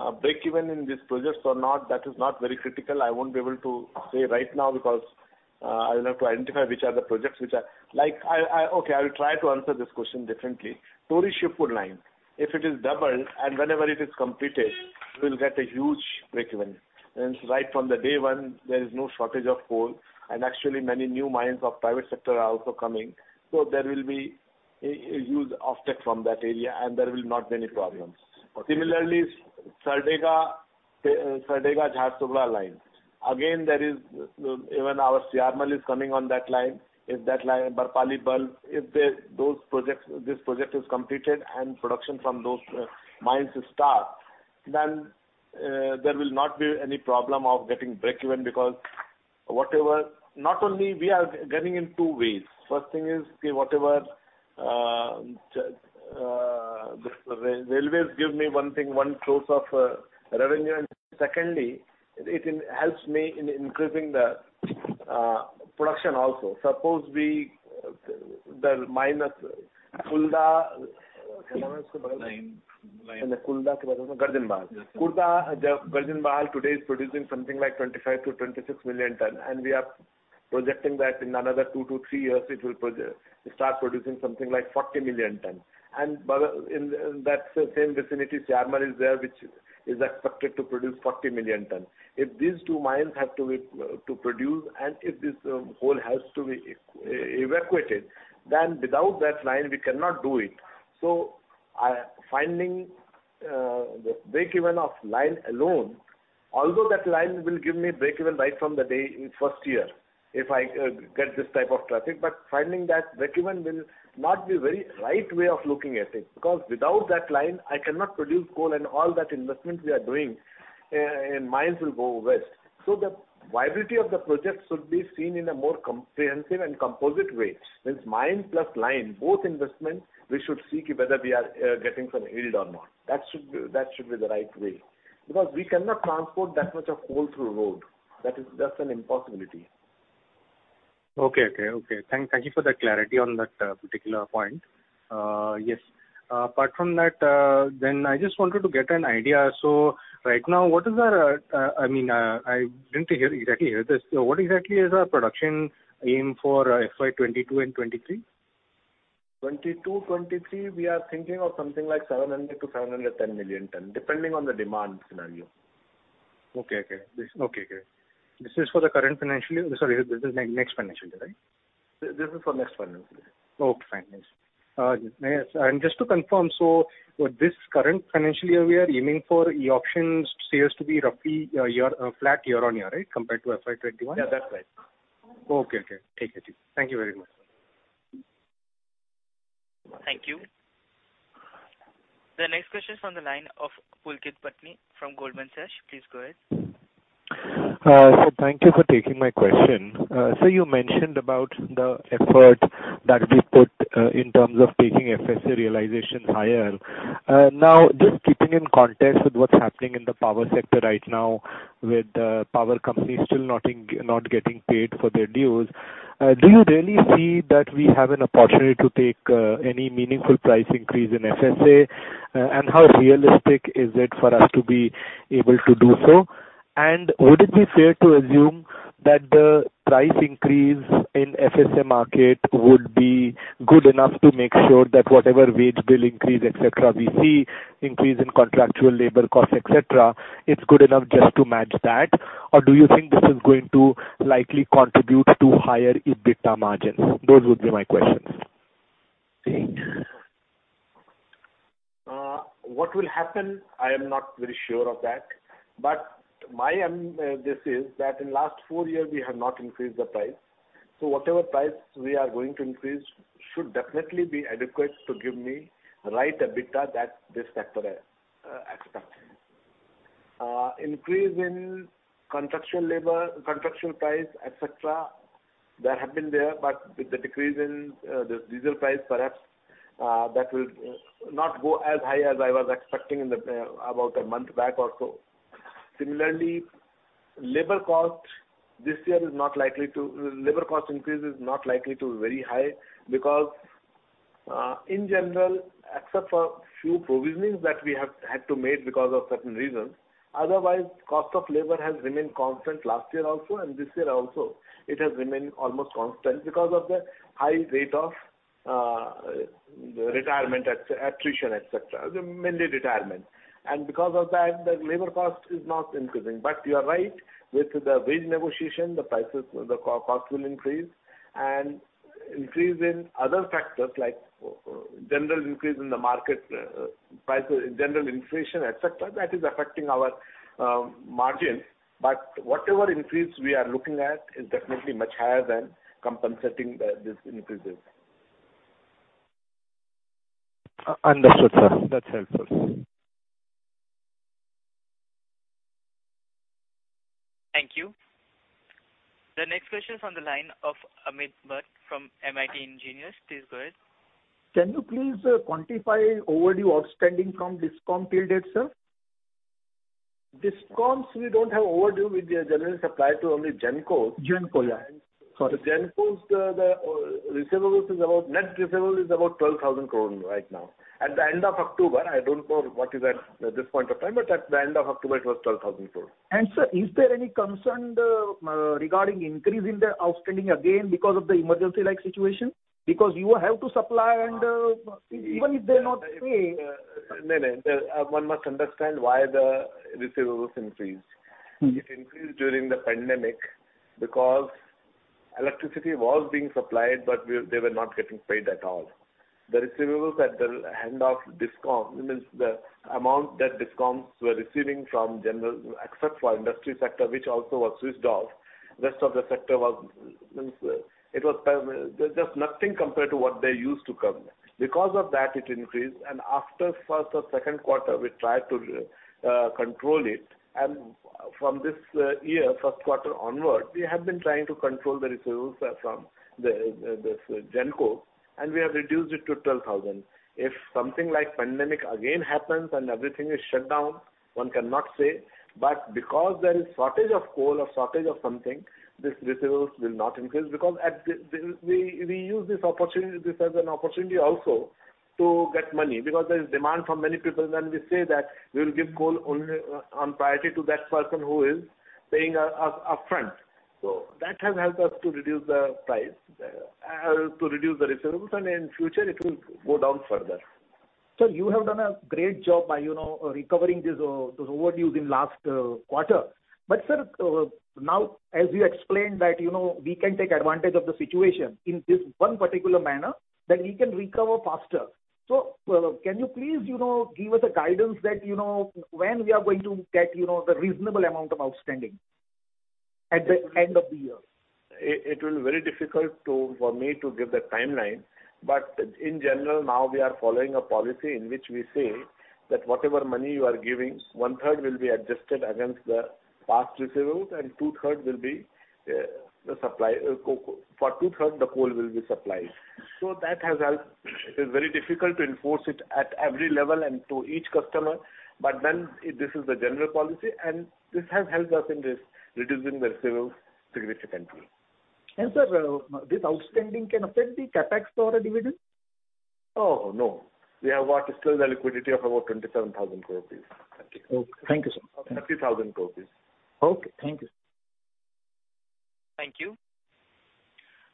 breakeven in these projects or not, that is not very critical. I won't be able to say right now because I will have to identify which are the projects which are. Like, okay, I will try to answer this question differently. Tori-Shivpur line, if it is doubled and whenever it is completed, we will get a huge breakeven. Right from day one, there is no shortage of coal, and actually many new mines of private sector are also coming. There will be a huge offset from that area, and there will not be any problems. Similarly, Sardega-Jharsuguda line. Again, there is even our Siarmal is coming on that line. If that line, Barpali-Belpahar, if those projects, this project is completed and production from those mines start, then there will not be any problem of getting breakeven because whatever. Not only we are getting in two ways. First thing is, okay, whatever the railways give me one thing, one source of revenue. Secondly, it helps me in increasing the production also. Suppose the mines Kulda-Garjanbahal. Kulda-Garjanbahal today is producing something like 25-26 million ton, and we are projecting that in another two to three years it will start producing something like 40 million ton. In that same vicinity, Siarmal is there, which is expected to produce 40 million ton. If these two mines have to be to produce, and if this coal has to be evacuated, then without that line, we cannot do it. Finding the breakeven of line alone, although that line will give me breakeven right from the day, first year, if I get this type of traffic, but finding that breakeven will not be very right way of looking at it. Because without that line, I cannot produce coal and all that investments we are doing in mines will go waste. The viability of the project should be seen in a more comprehensive and composite way. Since mine plus line, both investment, we should see whether we are getting some yield or not. That should be the right way. Because we cannot transport that much of coal through road. That is just an impossibility. Okay. Thank you for the clarity on that particular point. Yes. Apart from that, I just wanted to get an idea. Right now, what is our, I mean, I didn't exactly hear this. What exactly is our production aim for FY 2022 and 2023? 2022-2023, we are thinking of something like 700-710 million ton, depending on the demand scenario. Okay. This, okay, great. This is for the current financial year? Sorry, this is next financial year, right? This is for next financial year. Okay, fine. Yes. Yes, just to confirm, with this current financial year, we are aiming for e-auction sales to be roughly flat year-on-year, right, compared to FY 2021. Yeah, that's right. Okay. Thank you. Thank you very much. Thank you. The next question is from the line of Pulkit Patni from Goldman Sachs. Please go ahead. Sir, thank you for taking my question. So you mentioned about the effort that we put in terms of taking FSA realization higher. Now, just keeping in context with what's happening in the power sector right now with power companies still not getting paid for their dues, do you really see that we have an opportunity to take any meaningful price increase in FSA? How realistic is it for us to be able to do so? Would it be fair to assume that the price increase in FSA market would be good enough to make sure that whatever wage bill increase, et cetera, we see increase in contractual labor costs, et cetera, it's good enough just to match that? Or do you think this is going to likely contribute to higher EBITDA margins? Those would be my questions. What will happen, I am not very sure of that. In last four years, we have not increased the price. Whatever price we are going to increase should definitely be adequate to give the right EBITDA that this sector expecting, increase in contractual labor, contractual price, et cetera, that have been there. With the decrease in the diesel price, perhaps, that will not go as high as I was expecting about a month back or so. Similarly, labor cost increase this year is not likely to be very high because, in general, except for few provisionings that we have had to make because of certain reasons, otherwise, cost of labor has remained constant last year also and this year also. It has remained almost constant because of the high rate of retirement, attrition, et cetera. Mainly retirement. Because of that, the labor cost is not increasing. You are right, with the wage negotiation, the prices, the cost will increase. Increase in other factors like general increase in the market, prices, general inflation, et cetera, that is affecting our margin. Whatever increase we are looking at is definitely much higher than compensating these increases. Understood, sir. That's helpful. Thank you. The next question is on the line of Amit Bhatt from Mist Engineers. Please go ahead. Can you please quantify overdue outstanding from DISCOM till date, sir? DISCOMs, we don't have overdues with their general supply to only GENCO. GENCO, yeah. Sorry. The GENCOs' receivables is about net receivable is about 12,000 crore right now. At the end of October, I don't know what is at this point of time, but at the end of October it was 12,000 crore. Sir, is there any concern regarding increase in the outstanding again because of the emergency-like situation? Because you have to supply and even if they're not paying. Nein, nein.] One must understand why the receivables increased. Mm-hmm. It increased during the pandemic because electricity was being supplied, but they were not getting paid at all. The receivables in the hands of DISCOMs means the amount that DISCOMs were receiving from general, except for industry sector, which also was switched off. Rest of the sector was. It was. There's just nothing compared to what they used to come. Because of that, it increased. After first or second quarter, we tried to control it. From this year, first quarter onward, we have been trying to control the receivables from the GENCO, and we have reduced it to 12,000. If something like pandemic again happens and everything is shut down, one cannot say. But because there is shortage of coal or shortage of something, this receivables will not increase because at the We use this opportunity as an opportunity also to get money because there is demand from many people. We say that we will give coal only on priority to that person who is paying upfront. That has helped us to reduce the price, to reduce the receivables, and in future it will go down further. Sir, you have done a great job by, you know, recovering this, those overdues in last quarter. Sir, now as you explained that, you know, we can take advantage of the situation in this one particular manner, that we can recover faster. Can you please, you know, give us a guidance that, you know, when we are going to get, you know, the reasonable amount of outstanding at the end of the year? It will be very difficult for me to give the timeline. In general, now we are following a policy in which we say that whatever money you are giving, one-third will be adjusted against the past receivables and two-third will be the supply. For two-third, the coal will be supplied. That has helped. It is very difficult to enforce it at every level and to each customer. This is the general policy, and this has helped us in this, reducing the receivables significantly. Sir, this outstanding can affect the CapEx or a dividend? Oh, no. We have still the liquidity of about 27,000 crore rupees. Thank you. Okay. Thank you, sir. 30,000. Okay. Thank you. Thank you.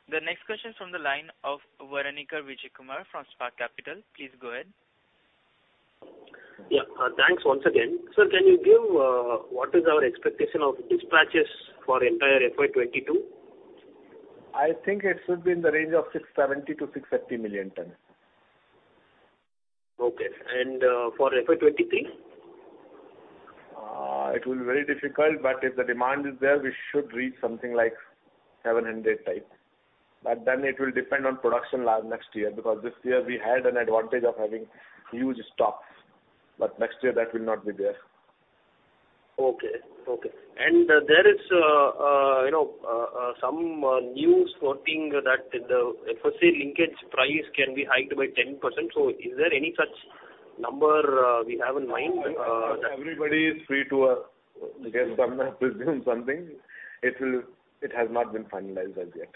The next question is from the line of Bharani Vijaykumar from Spark Capital. Please go ahead. Thanks once again. Sir, can you give what is our expectation of dispatches for entire FY 2022? I think it should be in the range of 670-650 million tons. Okay. For FY 2023? It will be very difficult, but if the demand is there, we should reach something like 700 type. It will depend on production next year, because this year we had an advantage of having huge stocks. Next year that will not be there. Okay. There is, you know, some news floating that the FSA linkage price can be hiked by 10%. Is there any such number we have in mind? Everybody is free to assume something. It has not been finalized as yet.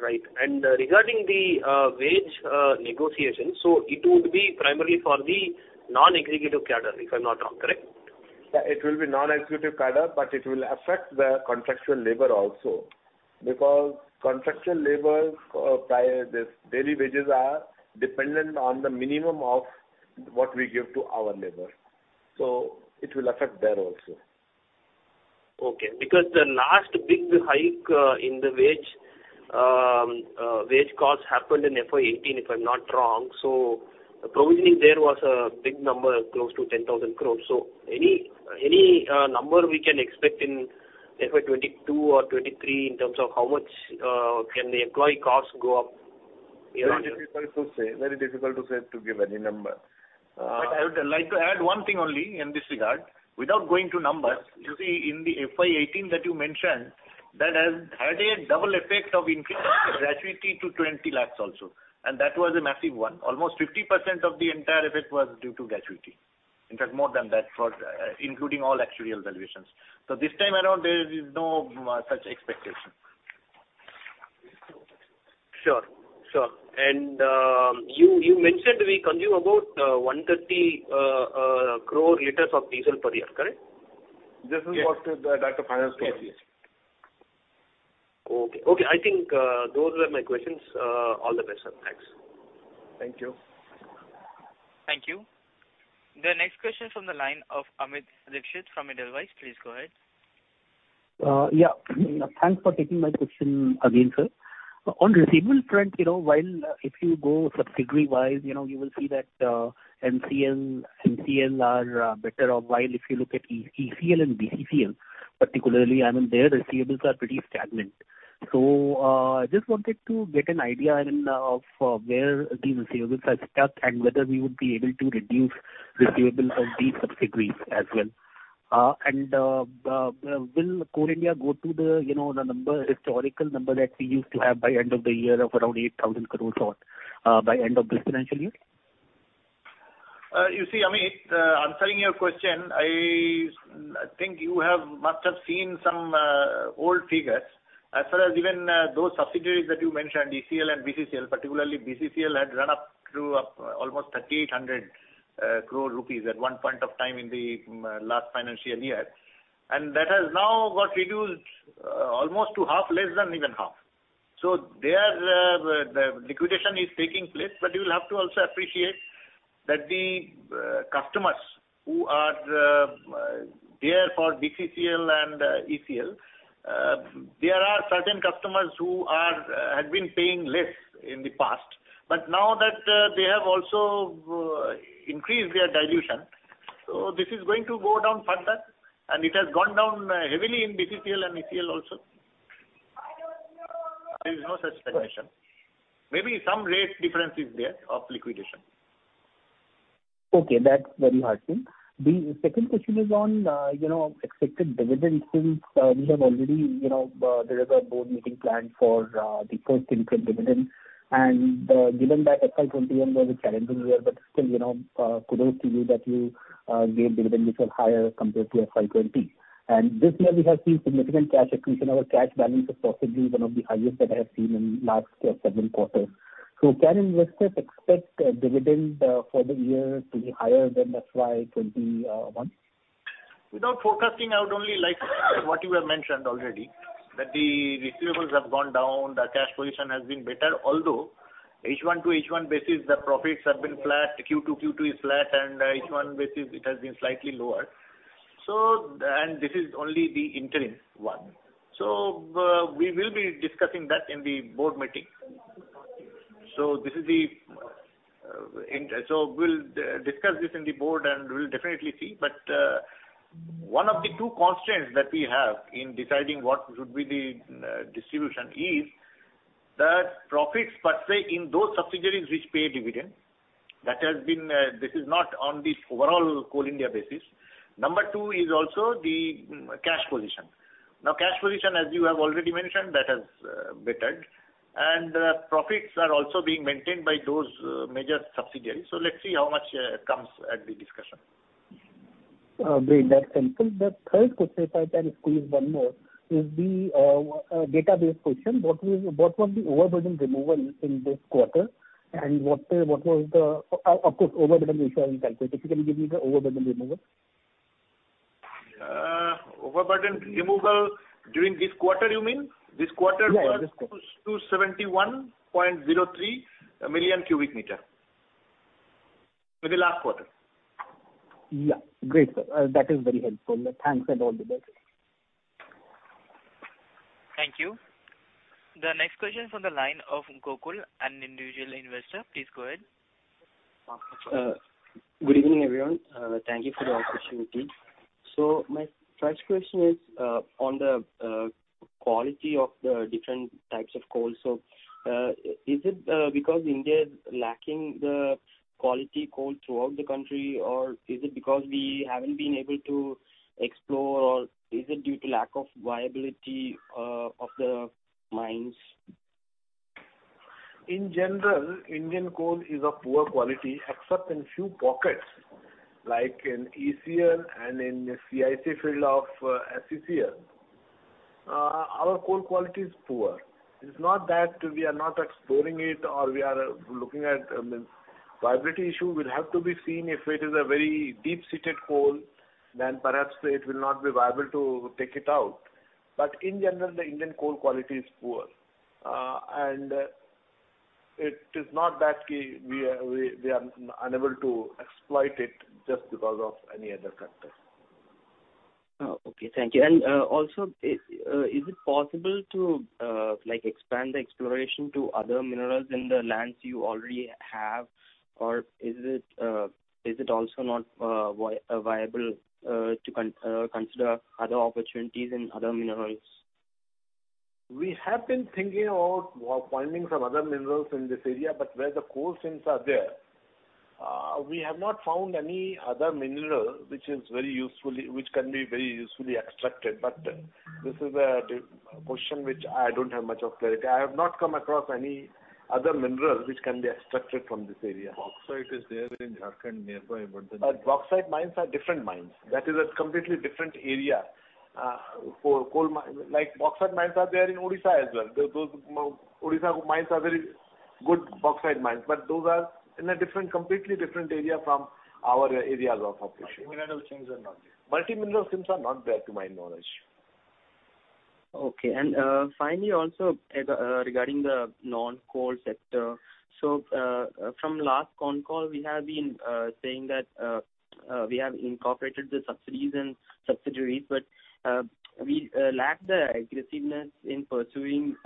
Right. Regarding the wage negotiation, so it would be primarily for the non-executive cadre, if I'm not wrong, correct? It will be non-executive cadre, but it will affect the contractual labor also. Because contractual labor, this daily wages are dependent on the minimum of what we give to our labor. It will affect there also. Okay. Because the last big hike in the wage cost happened in FY 2018, if I'm not wrong. Probably there was a big number close to 10,000 crore. Any number we can expect in FY 2022 or FY 2023 in terms of how much can the employee costs go up yearly? Very difficult to say. Very difficult to say, to give any number. I would like to add one thing only in this regard. Without going to numbers, you see in the FY 2018 that you mentioned, that has had a double effect of increase, gratuity to 20 lakhs also. That was a massive one. Almost 50% of the entire effect was due to gratuity. In fact, more than that for including all actuarial valuations. This time around there is no such expectation. Sure. You mentioned we consume about 130 crore liters of diesel per year, correct? This is what the Director of Finance told you. Okay. I think those were my questions. All the best, sir. Thanks. Thank you. Thank you. The next question is from the line of Amit Dixit from Edelweiss. Please go ahead. Yeah. Thanks for taking my question again, sir. On receivables front, you know, while if you go subsidiary-wise, you know, you will see that NCL are better off. While if you look at ECL and BCCL, particularly, I mean, their receivables are pretty stagnant. I just wanted to get an idea of where the receivables are stuck and whether we would be able to reduce receivables of these subsidiaries as well. Will Coal India go to the historical number that we used to have by end of the year of around 8,000 crore or by end of this financial year? You see, Amit, answering your question, I think you must have seen some old figures. As far as even those subsidiaries that you mentioned, ECL and BCCL, particularly BCCL, had run up to almost 3,800 crore rupees at one point of time in the last financial year. That has now got reduced almost to half, less than even half. The liquidation is taking place, but you'll have to also appreciate that the customers who are there for BCCL and ECL, there are certain customers who had been paying less in the past, but now that they have also increased their delinquency, so this is going to go down further. It has gone down heavily in BCCL and ECL also. There is no such definition. Maybe some rate difference is there of liquidation. Okay, that's very heartening. The second question is on, you know, expected dividends since we have already, you know, there is a board meeting planned for the first interim dividend. Given that FY 2021 was a challenging year, but still, you know, kudos to you that you gave dividend which was higher compared to FY 2020. This year we have seen significant cash accretion. Our cash balance is possibly one of the highest that I have seen in last several quarters. Can investors expect dividend for this year to be higher than FY 2021? Without forecasting, I would only like what you have mentioned already, that the receivables have gone down, the cash position has been better. Although H1 to H1 basis, the profits have been flat. Q2 is flat and H1 basis it has been slightly lower. This is only the interim one. We will be discussing that in the Board meeting. We'll discuss this in the Board and we'll definitely see. One of the two constraints that we have in deciding what would be the distribution is that profits per se in those subsidiaries which pay dividend, that has been. This is not on the overall Coal India basis. Number two is also the cash position. Now, cash position, as you have already mentioned, that has bettered. Profits are also being maintained by those major subsidiaries. Let's see how much comes at the discussion. Great. That's helpful. The third question, if I can squeeze one more, is a data-based question. What was the overburden removal in this quarter? Of course, overburden ratio I will calculate. If you can give me the overburden removal. Overburden removal during this quarter, you mean? This quarter was- Yeah, this quarter. 271.03 million cubic meters. In the last quarter. Yeah. Great, sir. That is very helpful. Thanks and all the best. Thank you. The next question from the line of Gokul, an individual investor. Please go ahead. Good evening, everyone. Thank you for the opportunity. My first question is on the quality of the different types of coal. Is it because India is lacking the quality coal throughout the country, or is it because we haven't been able to explore, or is it due to lack of viability of the mines? In general, Indian coal is of poor quality, except in few pockets, like in ECL and in CIC field of CCL. Our coal quality is poor. It's not that we are not exploring it or we are looking at, I mean, viability issue. Will have to be seen if it is a very deep-seated coal, then perhaps it will not be viable to take it out. In general, the Indian coal quality is poor. It is not that we are unable to exploit it just because of any other factor. Oh, okay. Thank you. Also, is it possible to like expand the exploration to other minerals in the lands you already have? Or is it also not viable to consider other opportunities in other minerals? We have been thinking about finding some other minerals in this area, but where the coal seams are there. We have not found any other mineral which can be very usefully extracted. This is a detailed question which I don't have much of clarity. I have not come across any other mineral which can be extracted from this area. Bauxite is there in Jharkhand nearby. Bauxite mines are different mines. That is a completely different area for coal mine. Like bauxite mines are there in Odisha as well. Those Odisha mines are very good bauxite mines, but those are in a different, completely different area from our areas of operation. Multi-mineral seams are not there. Multi-mineral seams are not there, to my knowledge. Okay. Finally, also, regarding the non-coal sector. From last con call, we have been saying that we have incorporated the subsidies in subsidiaries, but we lack the aggressiveness in pursuing,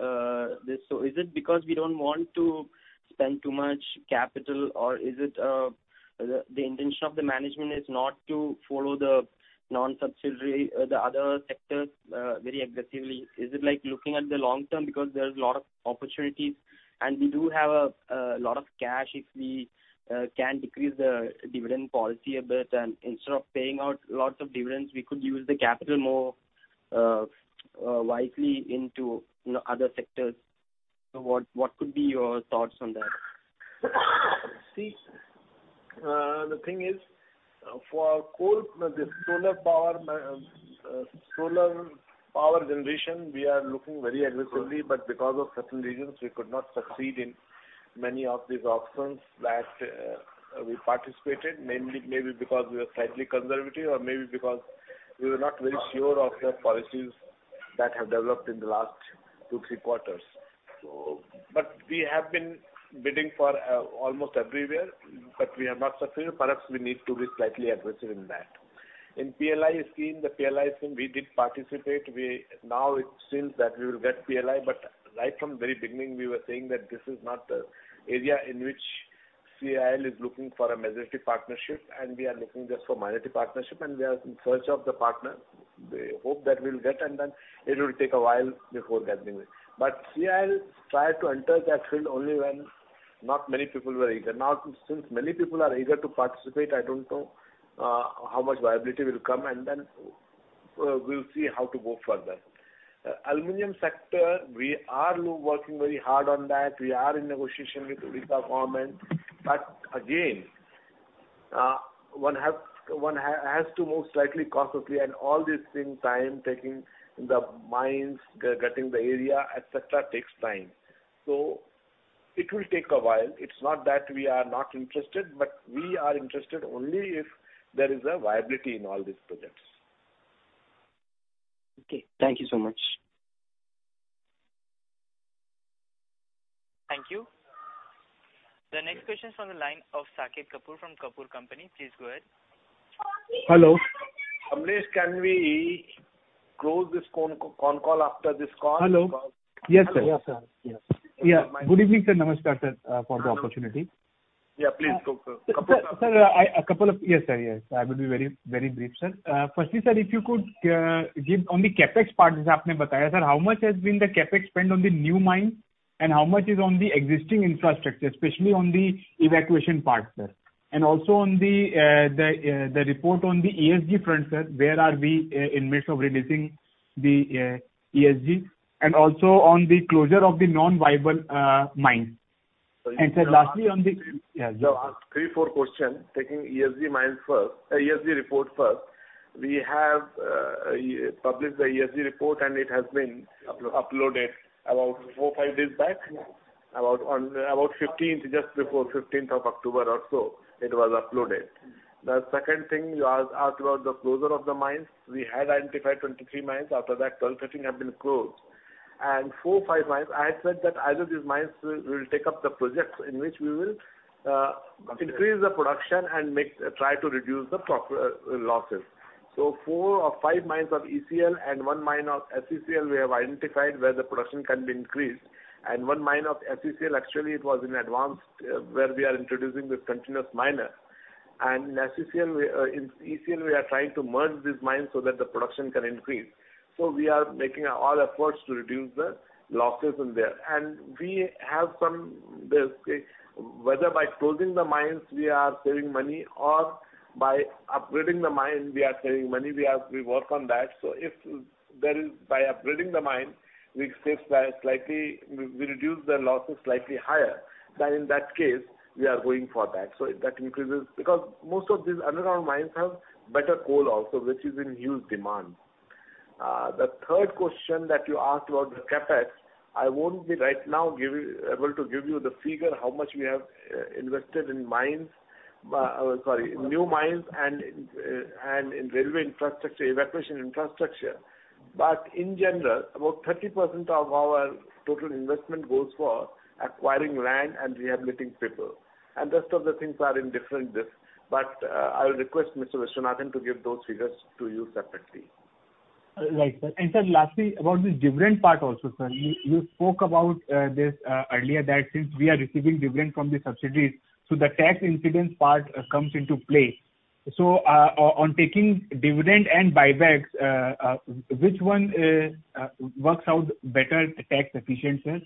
Is it because we don't want to spend too much capital or is it the intention of the management is not to follow the non-subsidiary the other sectors very aggressively? Is it like looking at the long term because there's a lot of opportunities and we do have a lot of cash if we can decrease the dividend policy a bit, and instead of paying out lots of dividends, we could use the capital more wisely into you know other sectors. What could be your thoughts on that? See, the thing is for coal, the solar power generation, we are looking very aggressively, but because of certain reasons we could not succeed in many of these auctions that we participated, mainly maybe because we are slightly conservative or maybe because we were not very sure of the policies that have developed in the last two, three quarters. We have been bidding for almost everywhere, but we have not succeeded. Perhaps we need to be slightly aggressive in that. In PLI scheme, the PLI scheme we did participate. We now, it seems that we will get PLI, but right from very beginning, we were saying that this is not the area in which CIL is looking for a majority partnership, and we are looking just for minority partnership, and we are in search of the partner. We hope that we'll get and then it will take a while before getting it. CIL tried to enter that field only when not many people were eager. Now, since many people are eager to participate, I don't know how much viability will come, and then we'll see how to go further. Aluminum sector, we are working very hard on that. We are in negotiation with Odisha government. Again, one has to move slightly cautiously and all these things, time taking, the mines, getting the area, et cetera, takes time. It will take a while. It's not that we are not interested, but we are interested only if there is a viability in all these projects. Okay. Thank you so much. Thank you. The next question is from the line of Saket Kapoor from Kapoor & Company. Please go ahead. Kamlesh Bagmar, can we close this phone conference call after this call? Yes, sir. Yes. Good evening, sir. Namaskar, sir, for the opportunity. Please go ahead, sir. Sir, I have a couple of questions. I will be very, very brief, sir. Firstly, sir, if you could give guidance on the CapEx part, sir, how much has been the CapEx spent on the new mine and how much is on the existing infrastructure, especially on the evacuation part, sir? And also on the report on the ESG front, sir, where are we in the midst of releasing the ESG? And also on the closure of the non-viable mine. And sir, lastly. You asked three, four questions. Taking ESG report first. We have published the ESG report, and it has been uploaded about 4, 5 days back. About 15th, just before 15th of October or so it was uploaded. The second thing you asked about the closure of the mines. We had identified 23 mines. After that, 12, 13 have been closed. 4, 5 mines, I said that either these mines we'll take up the projects in which we will increase the production and try to reduce the losses. 4 or 5 mines of ECL and one mine of SCCL we have identified where the production can be increased. One mine of SCCL actually it was in advance, where we are introducing this continuous miner. In SCCL, in ECL we are trying to merge these mines so that the production can increase. We are making all efforts to reduce the losses in there. We have some, whether by closing the mines we are saving money or by upgrading the mines we are saving money, we work on that. If there is by upgrading the mine, we save slightly, we reduce the losses slightly higher, then in that case we are going for that. That increases. Because most of these underground mines have better coal also, which is in huge demand. The third question that you asked about the CapEx, I won't be able to give you the figure how much we have invested in mines right now. Sorry, new mines and in railway infrastructure, evacuation infrastructure. In general, about 30% of our total investment goes for acquiring land and rehabilitating people. Rest of the things are in different desk. But, I will request Mr. Viswanathan to give those figures to you separately. Right, sir. Sir, lastly, about the dividend part also, sir. You spoke about this earlier that since we are receiving dividend from the subsidiaries, the tax incidence part comes into play. On taking dividend and buybacks, which one works out better tax efficient, sir?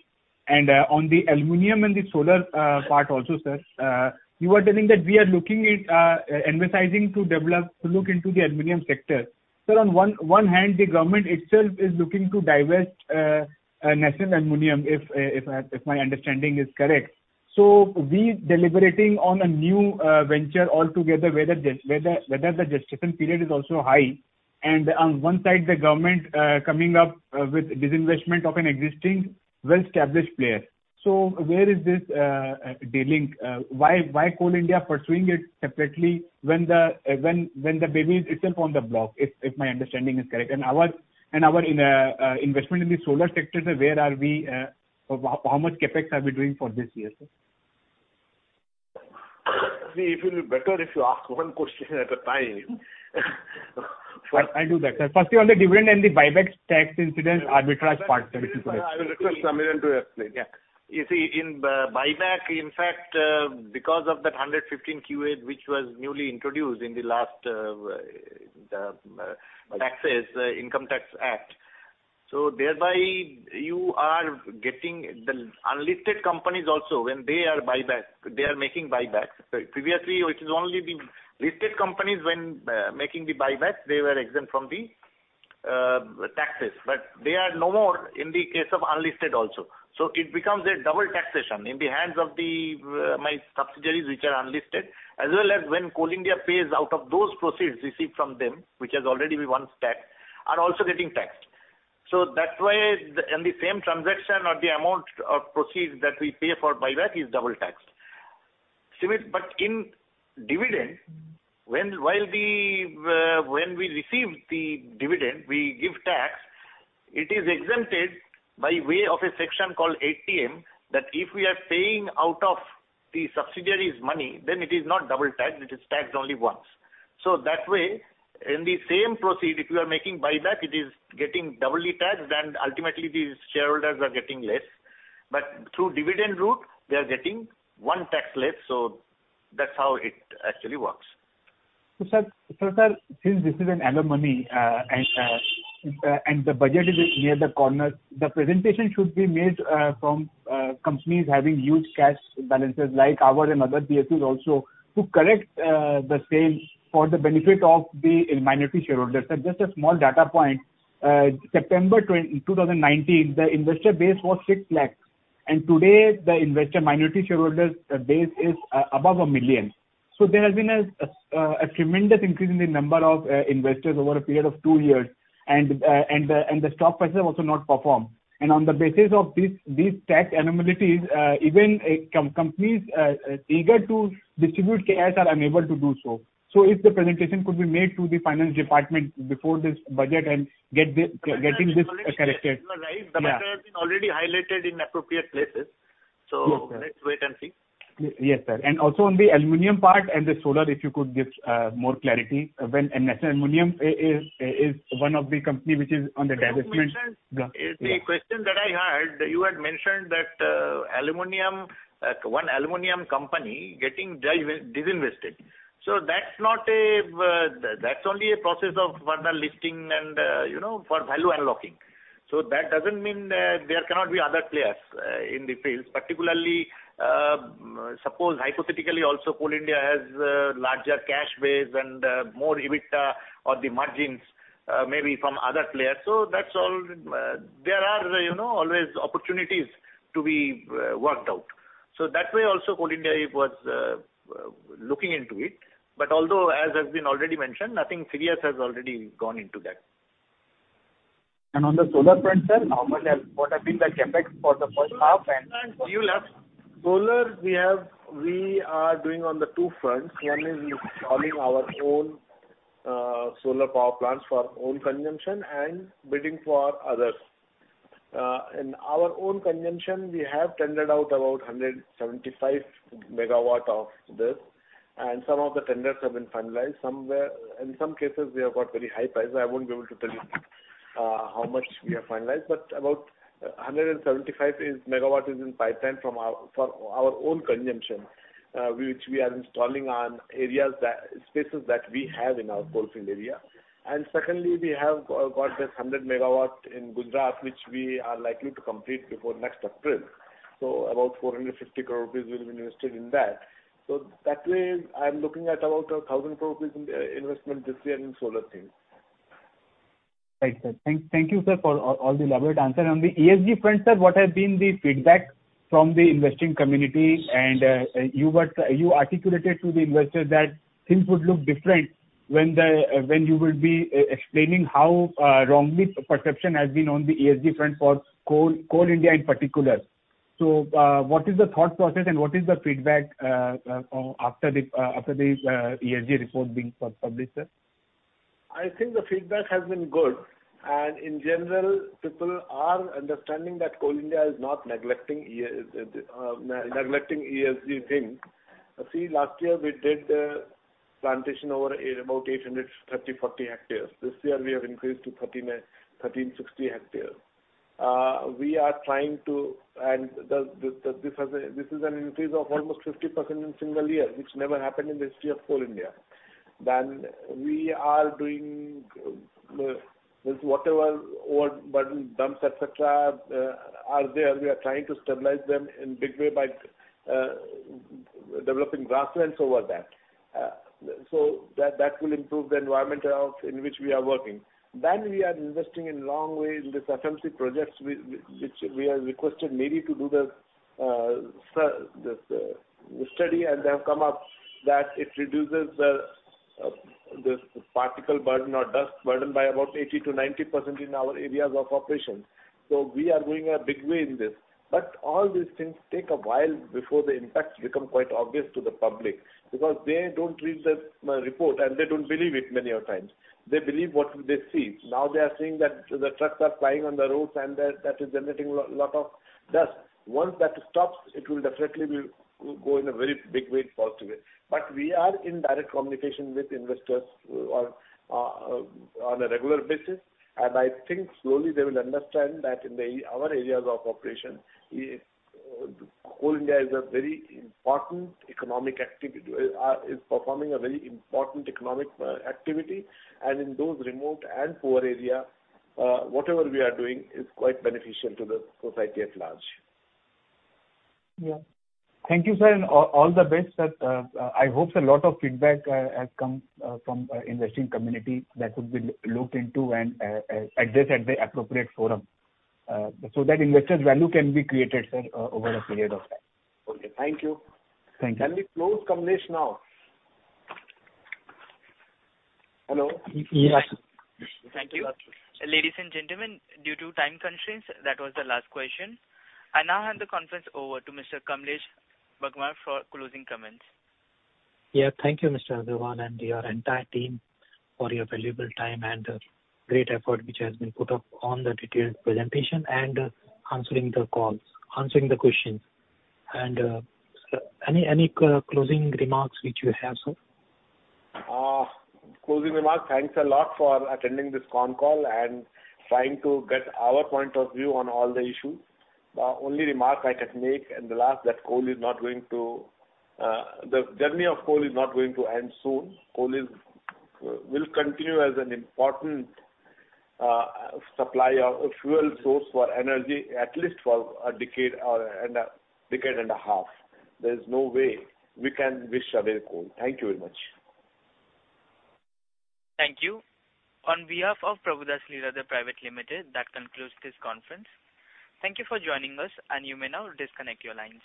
On the aluminum and the solar part also, sir, you were telling that we are looking at emphasizing to develop, to look into the aluminum sector. Sir, on one hand the government itself is looking to divest National Aluminium, if my understanding is correct. We deliberating on a new venture altogether whether the gestation period is also high. On one side the government coming up with disinvestment of an existing well-established player. Where is this delink? Why Coal India pursuing it separately when the baby is itself on the block, if my understanding is correct. Our investment in the solar sector, sir, where are we, how much CapEx are we doing for this year, sir? See, it will be better if you ask one question at a time. I'll do that, sir. Firstly, on the dividend and the buyback tax incidence arbitrage part, specifically. I will request Samiran to explain. Yeah. You see in buyback, in fact, because of that 115QA which was newly introduced in the last, the Income Tax Act. Thereby, you are getting the unlisted companies also, when they are buyback, they are making buybacks. Previously, it is only the listed companies when making the buyback, they were exempt from the taxes. They are no more in the case of unlisted also. It becomes a double taxation in the hands of the my subsidiaries, which are unlisted, as well as when Coal India pays out of those proceeds received from them, which has already been once taxed, are also getting taxed. That way, in the same transaction or the amount of proceeds that we pay for buyback is double taxed. Sameer, in dividend, when we receive the dividend, we give tax. It is exempted by way of a section called 80M, that if we are paying out of the subsidiaries money, then it is not double taxed, it is taxed only once. That way, in the same proceeds, if you are making buyback, it is getting doubly taxed, and ultimately these shareholders are getting less. Through dividend route, they are getting one tax less. That's how it actually works. Sir, since this is an analyst meet, and the budget is around the corner, the presentation should be made from companies having huge cash balances like ours and other PSUs also to correct the laws for the benefit of the minority shareholders. Just a small data point, September 2019, the investor base was 6 lakhs. Today, the investor minority shareholders base is above 1 million. There has been a tremendous increase in the number of investors over a period of 2 years, and the stock price has also not performed. On the basis of these tax anomalies, even companies eager to distribute cash are unable to do so. If the presentation could be made to the finance department before this budget and get this corrected. You are right. Yeah. The matter has been already highlighted in appropriate places. Yes, sir. Let's wait and see. Yes, sir. Also on the aluminum part and the solar, if you could give more clarity. When National Aluminium is one of the company which is on the divestment- No, Saket Kapoor. Yeah. The question that I heard, you had mentioned that aluminum, one aluminum company getting disinvested. That's not a, that's only a process of further listing and, you know, for value unlocking. That doesn't mean there cannot be other players in the field. Particularly, suppose hypothetically also, Coal India has larger cash base and more EBITDA or the margins maybe from other players. That's all. There are, you know, always opportunities to be worked out. That way also, Coal India, it was looking into it. Although, as has been already mentioned, I think CIL has already gone into that. On the solar front, sir, normally what have been the CapEx for the first half and- Solar, we have, we are doing on the two fronts. One is installing our own solar power plants for own consumption and bidding for others. In our own consumption, we have tendered out about 175 MW of this, and some of the tenders have been finalized. In some cases, we have got very high price. I won't be able to tell you how much we have finalized. About 175 MW is in pipeline for our own consumption, which we are installing on areas that spaces that we have in our coalfield area. Secondly, we have got this 100 MW in Gujarat, which we are likely to complete before next April. About 450 crore rupees will be invested in that. That way, I'm looking at about 1,000 crore rupees in investment this year in solar thing. Right, sir. Thank you, sir, for all the elaborate answer. On the ESG front, sir, what has been the feedback from the investing community? You articulated to the investors that things would look different when you will be explaining how wrong perception has been on the ESG front for Coal India in particular. What is the thought process and what is the feedback after the ESG report being published, sir? I think the feedback has been good. In general, people are understanding that Coal India is not neglecting ESG thing. See, last year we did plantation over about 830-840 hectares. This year we have increased to 1,300-1,360 hectares. This is an increase of almost 50% in single year, which never happened in the history of Coal India. We are doing this water and overburden dumps, etc., are there. We are trying to stabilize them in big way by developing grasslands over that. So that will improve the environment in which we are working. We are investing in long way in this FMC projects which we have requested NEERI to do the study, and they have come up that it reduces the particle burden or dust burden by about 80%-90% in our areas of operations. We are going a big way in this. All these things take a while before the impacts become quite obvious to the public, because they don't read the report and they don't believe it many a times. They believe what they see. Now they are seeing that the trucks are plying on the roads and that is generating lot of dust. Once that stops, it will definitely be, go in a very big way positively. We are in direct communication with investors on a regular basis, and I think slowly they will understand that in our areas of operation, Coal India is performing a very important economic activity. In those remote and poor areas, whatever we are doing is quite beneficial to the society at large. Yeah. Thank you, sir, and all the best. I hope a lot of feedback has come from the investing community that would be looked into and addressed at the appropriate forum, so that investors' value can be created, sir, over a period of time. Okay, thank you. Thank you. Can we close Kamlesh now? Hello? Yes. Thank you. Ladies and gentlemen, due to time constraints, that was the last question. I now hand the conference over to Mr. Kamlesh Bagmar for closing comments. Yeah. Thank you, Mr. Agarwal, and your entire team for your valuable time and great effort which has been put up on the detailed presentation and answering the calls, answering the questions. Sir, any closing remarks which you have, sir? Closing remarks. Thanks a lot for attending this con call and trying to get our point of view on all the issues. The only remark I can make is that the journey of coal is not going to end soon. Coal will continue as an important supplier, a fuel source for energy, at least for a decade or a decade and a half. There's no way we can wish away coal. Thank you very much. Thank you. On behalf of Prabhudas Lilladher Private Limited, that concludes this conference. Thank you for joining us, and you may now disconnect your lines.